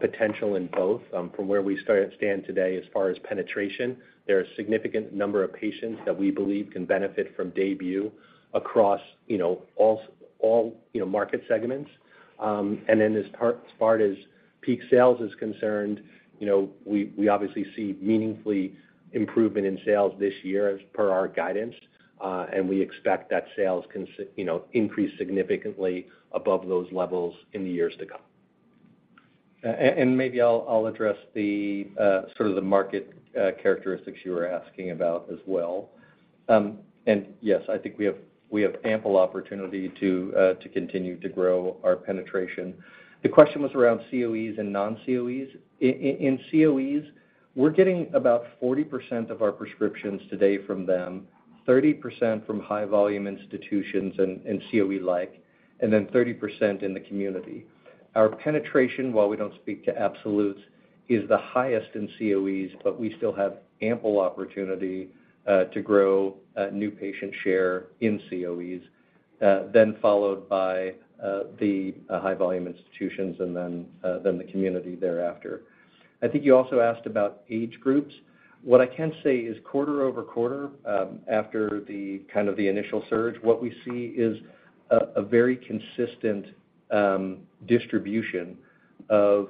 potential in both, from where we stand today as far as penetration. There are a significant number of patients that we believe can benefit from DAYBUE across, you know, all market segments. And then as far, as far as peak sales is concerned, you know, we, we obviously see meaningfully improvement in sales this year as per our guidance, and we expect that sales can you know, increase significantly above those levels in the years to come. And maybe I'll address the sort of the market characteristics you were asking about as well. Yes, I think we have ample opportunity to continue to grow our penetration. The question was around COEs and non-COEs. In COEs, we're getting about 40% of our prescriptions today from them, 30% from high volume institutions and COE-like, and then 30% in the community. Our penetration, while we don't speak to absolutes, is the highest in COEs, but we still have ample opportunity to grow new patient share in COEs, then followed by the high volume institutions and then the community thereafter. I think you also asked about age groups. What I can say is quarter-over-quarter, after the kind of the initial surge, what we see is a very consistent distribution of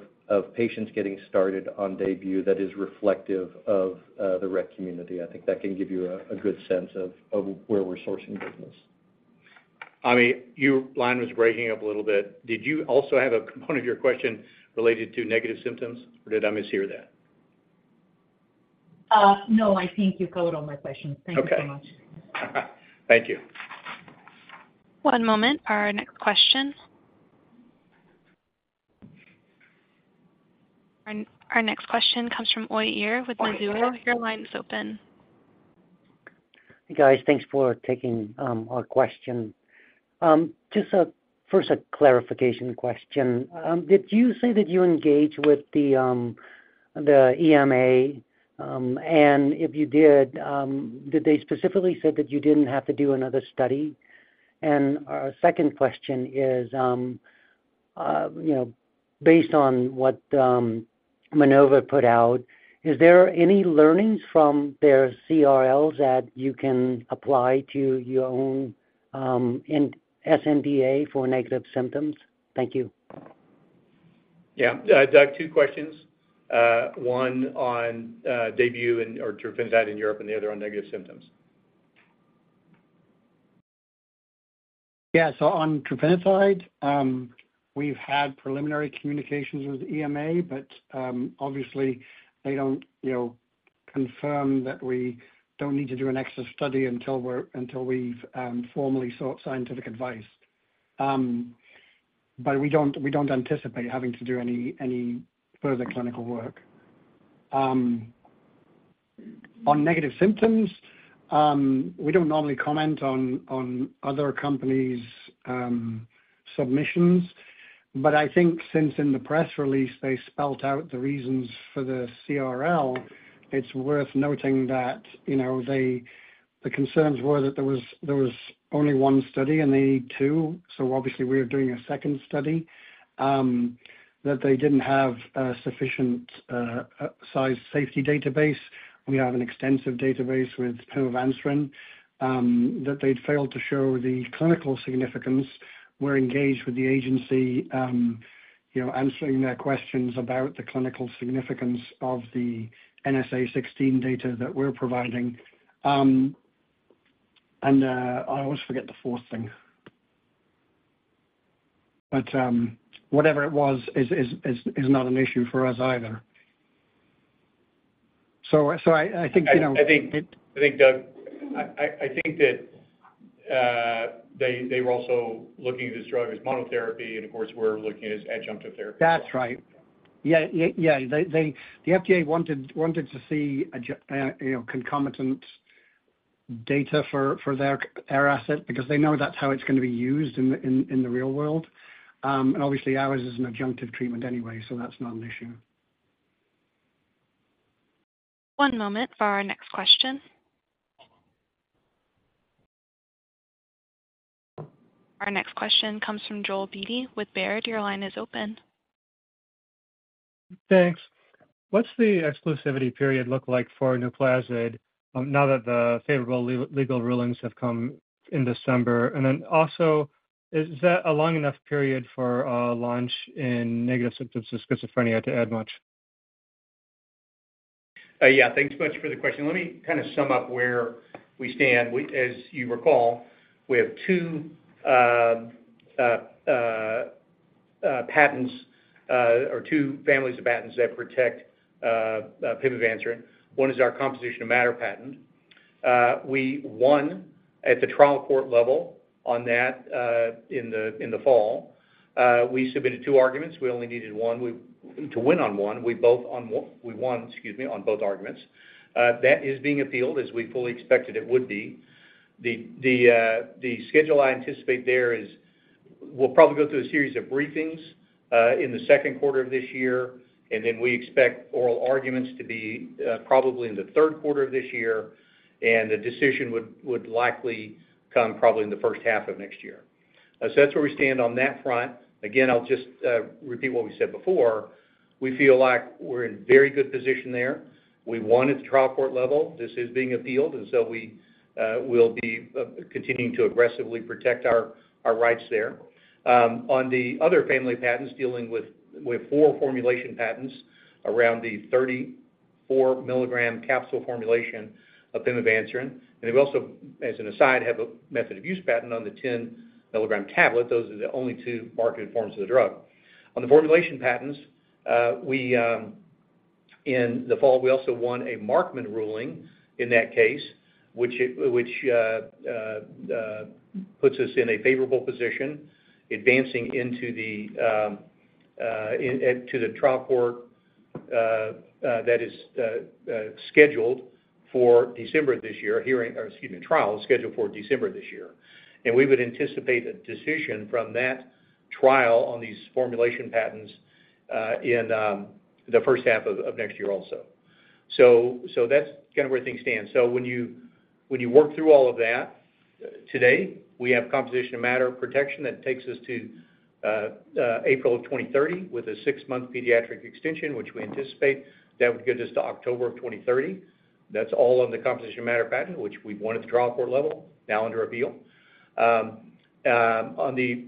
patients getting started on DAYBUE that is reflective of the Rett community. I think that can give you a good sense of where we're sourcing business. Ami, your line was breaking up a little bit. Did you also have a component of your question related to negative symptoms, or did I mishear that? No, I think you covered all my questions. Okay. Thank you so much. Thank you. One moment, our next question. Our next question comes from Iyer with Mizuho. Your line is open. Hey, guys. Thanks for taking our question. Just a first clarification question. Did you say that you engaged with the EMA? And if you did, did they specifically say that you didn't have to do another study? And our second question is, you know, based on what Minova put out, is there any learnings from their CRLs that you can apply to your own in SNDA for negative symptoms? Thank you. Yeah. I have two questions, one on DAYBUE or Trofinetide in Europe, and the other on negative symptoms. Yeah, so on Trofinetide, we've had preliminary communications with EMA, but obviously, they don't, you know, confirm that we don't need to do an extra study until we've formally sought scientific advice. But we don't anticipate having to do any further clinical work. On negative symptoms, we don't normally comment on other companies' submissions. But I think since in the press release, they spelled out the reasons for the CRL, it's worth noting that, you know, they, the concerns were that there was only one study, and they need two, so obviously we are doing a second study. That they didn't have a sufficient size safety database. We have an extensive database with Pimavanserin. That they'd failed to show the clinical significance. We're engaged with the agency, you know, answering their questions about the clinical significance of the NSA-16 data that we're providing. And I always forget the fourth thing. But whatever it was, is not an issue for us either. So I think, you know- I think, Doug, that they were also looking at this drug as monotherapy, and of course, we're looking at it as adjunctive therapy. That's right. Yeah, yeah, yeah. They, the FDA wanted to see adjunctive, you know, concomitant data for their asset because they know that's how it's gonna be used in the real world. And obviously, ours is an adjunctive treatment anyway, so that's not an issue. One moment for our next question. Our next question comes from Joel Beatty with Baird. Your line is open. Thanks. What's the exclusivity period look like for NUPLAZID, now that the favorable legal rulings have come in December? And then also, is that a long enough period for a launch in negative symptoms of schizophrenia to add much? Yeah, thanks much for the question. Let me kind of sum up where we stand. As you recall, we have two patents or two families of patents that protect Pimavanserin. One is our composition of matter patent. We won at the trial court level on that in the fall. We submitted two arguments. We only needed one. To win on one, we won, excuse me, on both arguments. That is being appealed, as we fully expected it would be. The schedule I anticipate there is, we'll probably go through a series of briefings in the second quarter of this year, and then we expect oral arguments to be probably in the third quarter of this year, and the decision would likely come probably in the first half of next year. So that's where we stand on that front. Again, I'll just repeat what we said before. We feel like we're in very good position there. We won at the trial court level. This is being appealed, and so we will be continuing to aggressively protect our rights there. On the other family of patents, dealing with, we have 4 formulation patents around the 34 milligram capsule formulation of Pimavanserin. And we also, as an aside, have a method of use patent on the 10 milligram tablet. Those are the only two marketed forms of the drug. On the formulation patents, in the fall, we also won a Markman ruling in that case, which puts us in a favorable position, advancing into the trial court, that is scheduled for December this year, hearing, or excuse me, trial is scheduled for December this year. And we would anticipate a decision from that trial on these formulation patents, in the first half of next year also. So that's kind of where things stand. So when you work through all of that, today, we have composition of matter protection that takes us to April of 2030, with a six-month pediatric extension, which we anticipate. That would get us to October of 2030. That's all on the composition of matter patent, which we won at the trial court level, now under appeal. On the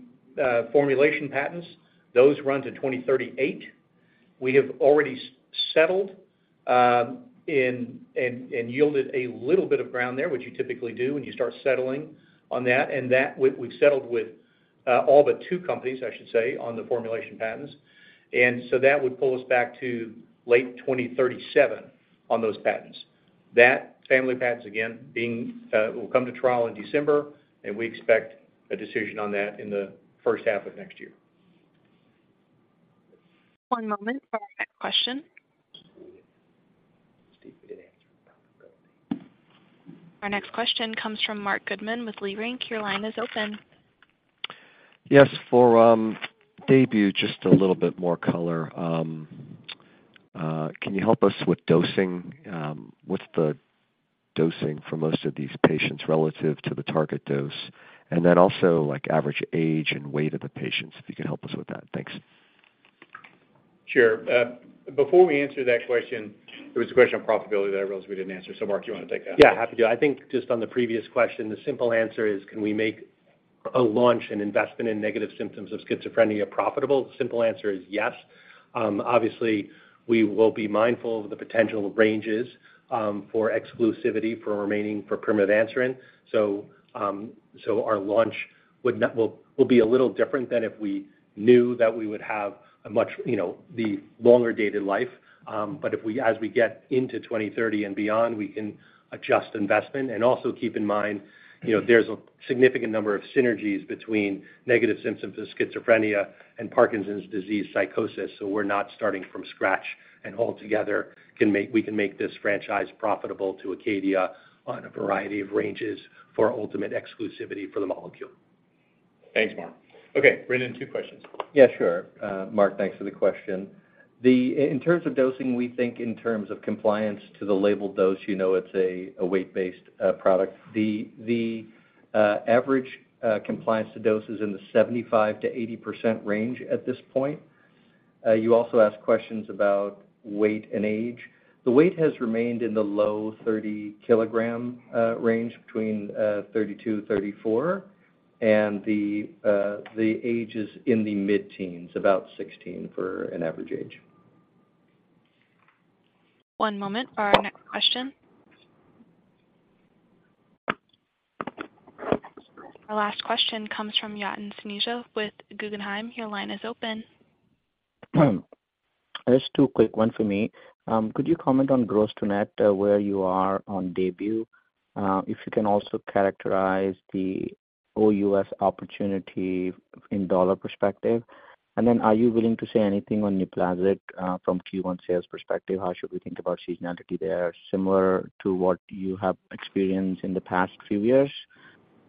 formulation patents, those run to 2038. We have already settled and yielded a little bit of ground there, which you typically do when you start settling on that. And that, we've settled with all but two companies, I should say, on the formulation patents. And so that would pull us back to late 2037 on those patents. That family of patents, again, will come to trial in December, and we expect a decision on that in the first half of next year. One moment for our next question. Our next question comes from Marc Goodman with Leerink. Your line is open. Yes, for DAYBUE, just a little bit more color. Can you help us with dosing? What's the dosing for most of these patients relative to the target dose? And then also, like, average age and weight of the patients, if you can help us with that. Thanks. Sure. Before we answer that question, there was a question on profitability that I realized we didn't answer. So Mark, do you want to take that? Yeah, happy to. I think just on the previous question, the simple answer is, can we make a launch and investment in negative symptoms of schizophrenia profitable? Simple answer is yes. Obviously, we will be mindful of the potential ranges for exclusivity remaining for Pimavanserin. So, our launch will be a little different than if we knew that we would have a much, you know, the longer data life. But if we as we get into 2030 and beyond, we can adjust investment. And also keep in mind, you know, there's a significant number of synergies between negative symptoms of schizophrenia and Parkinson's disease psychosis, so we're not starting from scratch. And altogether, we can make this franchise profitable to Acadia on a variety of ranges for ultimate exclusivity for the molecule. Thanks, Mark. Okay, Brendan, two questions. Yeah, sure, Marc, thanks for the question. In terms of dosing, we think in terms of compliance to the labeled dose, you know, it's a weight-based product. The average compliance to dose is in the 75%-80% range at this point. You also asked questions about weight and age. The weight has remained in the low 30-kg range, between 32-34, and the age is in the mid-teens, about 16 for an average age. One moment for our next question. Our last question comes from Yatin Suneja with Guggenheim. Your line is open. There are two quick ones for me. Could you comment on gross-to-net, where you are on DAYBUE? If you can also characterize the OUS opportunity in dollar perspective. And then are you willing to say anything on NUPLAZID, from Q1 sales perspective? How should we think about seasonality there? Similar to what you have experienced in the past few years,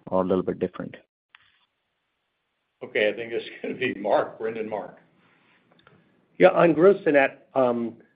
or a little bit different? Okay, I think this is gonna be Mark. Brendan, Mark. Yeah, on gross-to-net,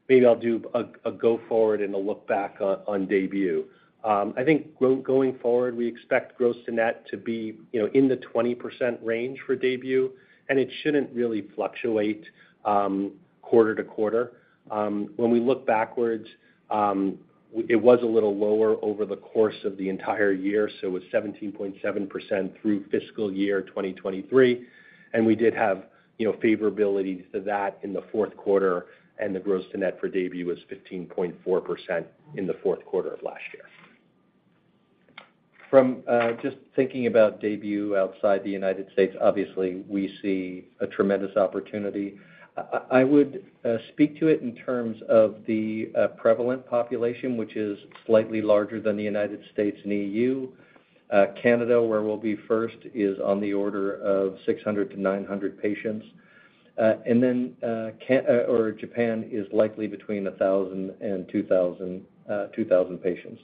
maybe I'll do a go forward and a look back on DAYBUE. I think going forward, we expect gross-to-net to be, you know, in the 20% range for DAYBUE, and it shouldn't really fluctuate quarter to quarter. When we look backwards, it was a little lower over the course of the entire year, so it was 17.7% through fiscal year 2023, and we did have, you know, favorability to that in the fourth quarter, and the gross-to-net for DAYBUE was 15.4% in the fourth quarter of last year. From just thinking about debut outside the United States, obviously, we see a tremendous opportunity. I would speak to it in terms of the prevalent population, which is slightly larger than the United States and EU. Canada, where we'll be first, is on the order of 600-900 patients. And then Canada or Japan is likely between 1,000 and 2,000 patients.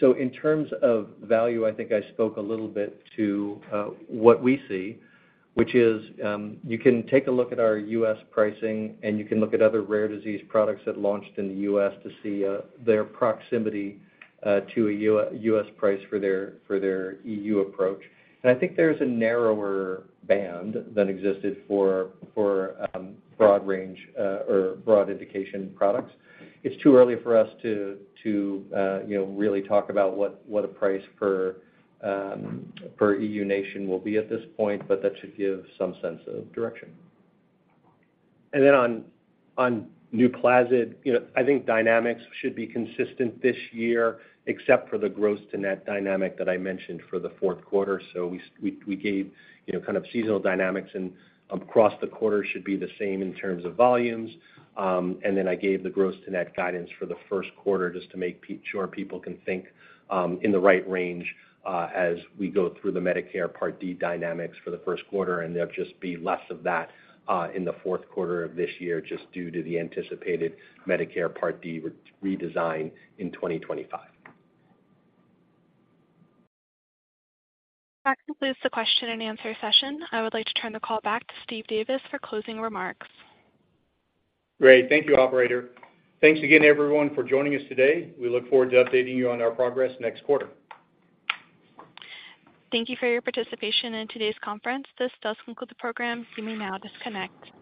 So in terms of value, I think I spoke a little bit to what we see, which is you can take a look at our US pricing, and you can look at other rare disease products that launched in the US to see their proximity to a US price for their EU approach. And I think there's a narrower band than existed for broad range or broad indication products. It's too early for us to, you know, really talk about what a price per EU nation will be at this point, but that should give some sense of direction. And then on NUPLAZID, you know, I think dynamics should be consistent this year, except for the gross to net dynamic that I mentioned for the fourth quarter. So we gave, you know, kind of seasonal dynamics, and across the quarter should be the same in terms of volumes. And then I gave the gross to net guidance for the first quarter, just to make sure people can think in the right range, as we go through the Medicare Part D dynamics for the first quarter, and there'll be less of that in the fourth quarter of this year, just due to the anticipated Medicare Part D redesign in 2025. That concludes the question and answer session. I would like to turn the call back to Steve Davis for closing remarks. Great. Thank you, operator. Thanks again, everyone, for joining us today. We look forward to updating you on our progress next quarter. Thank you for your participation in today's conference. This does conclude the program. You may now disconnect.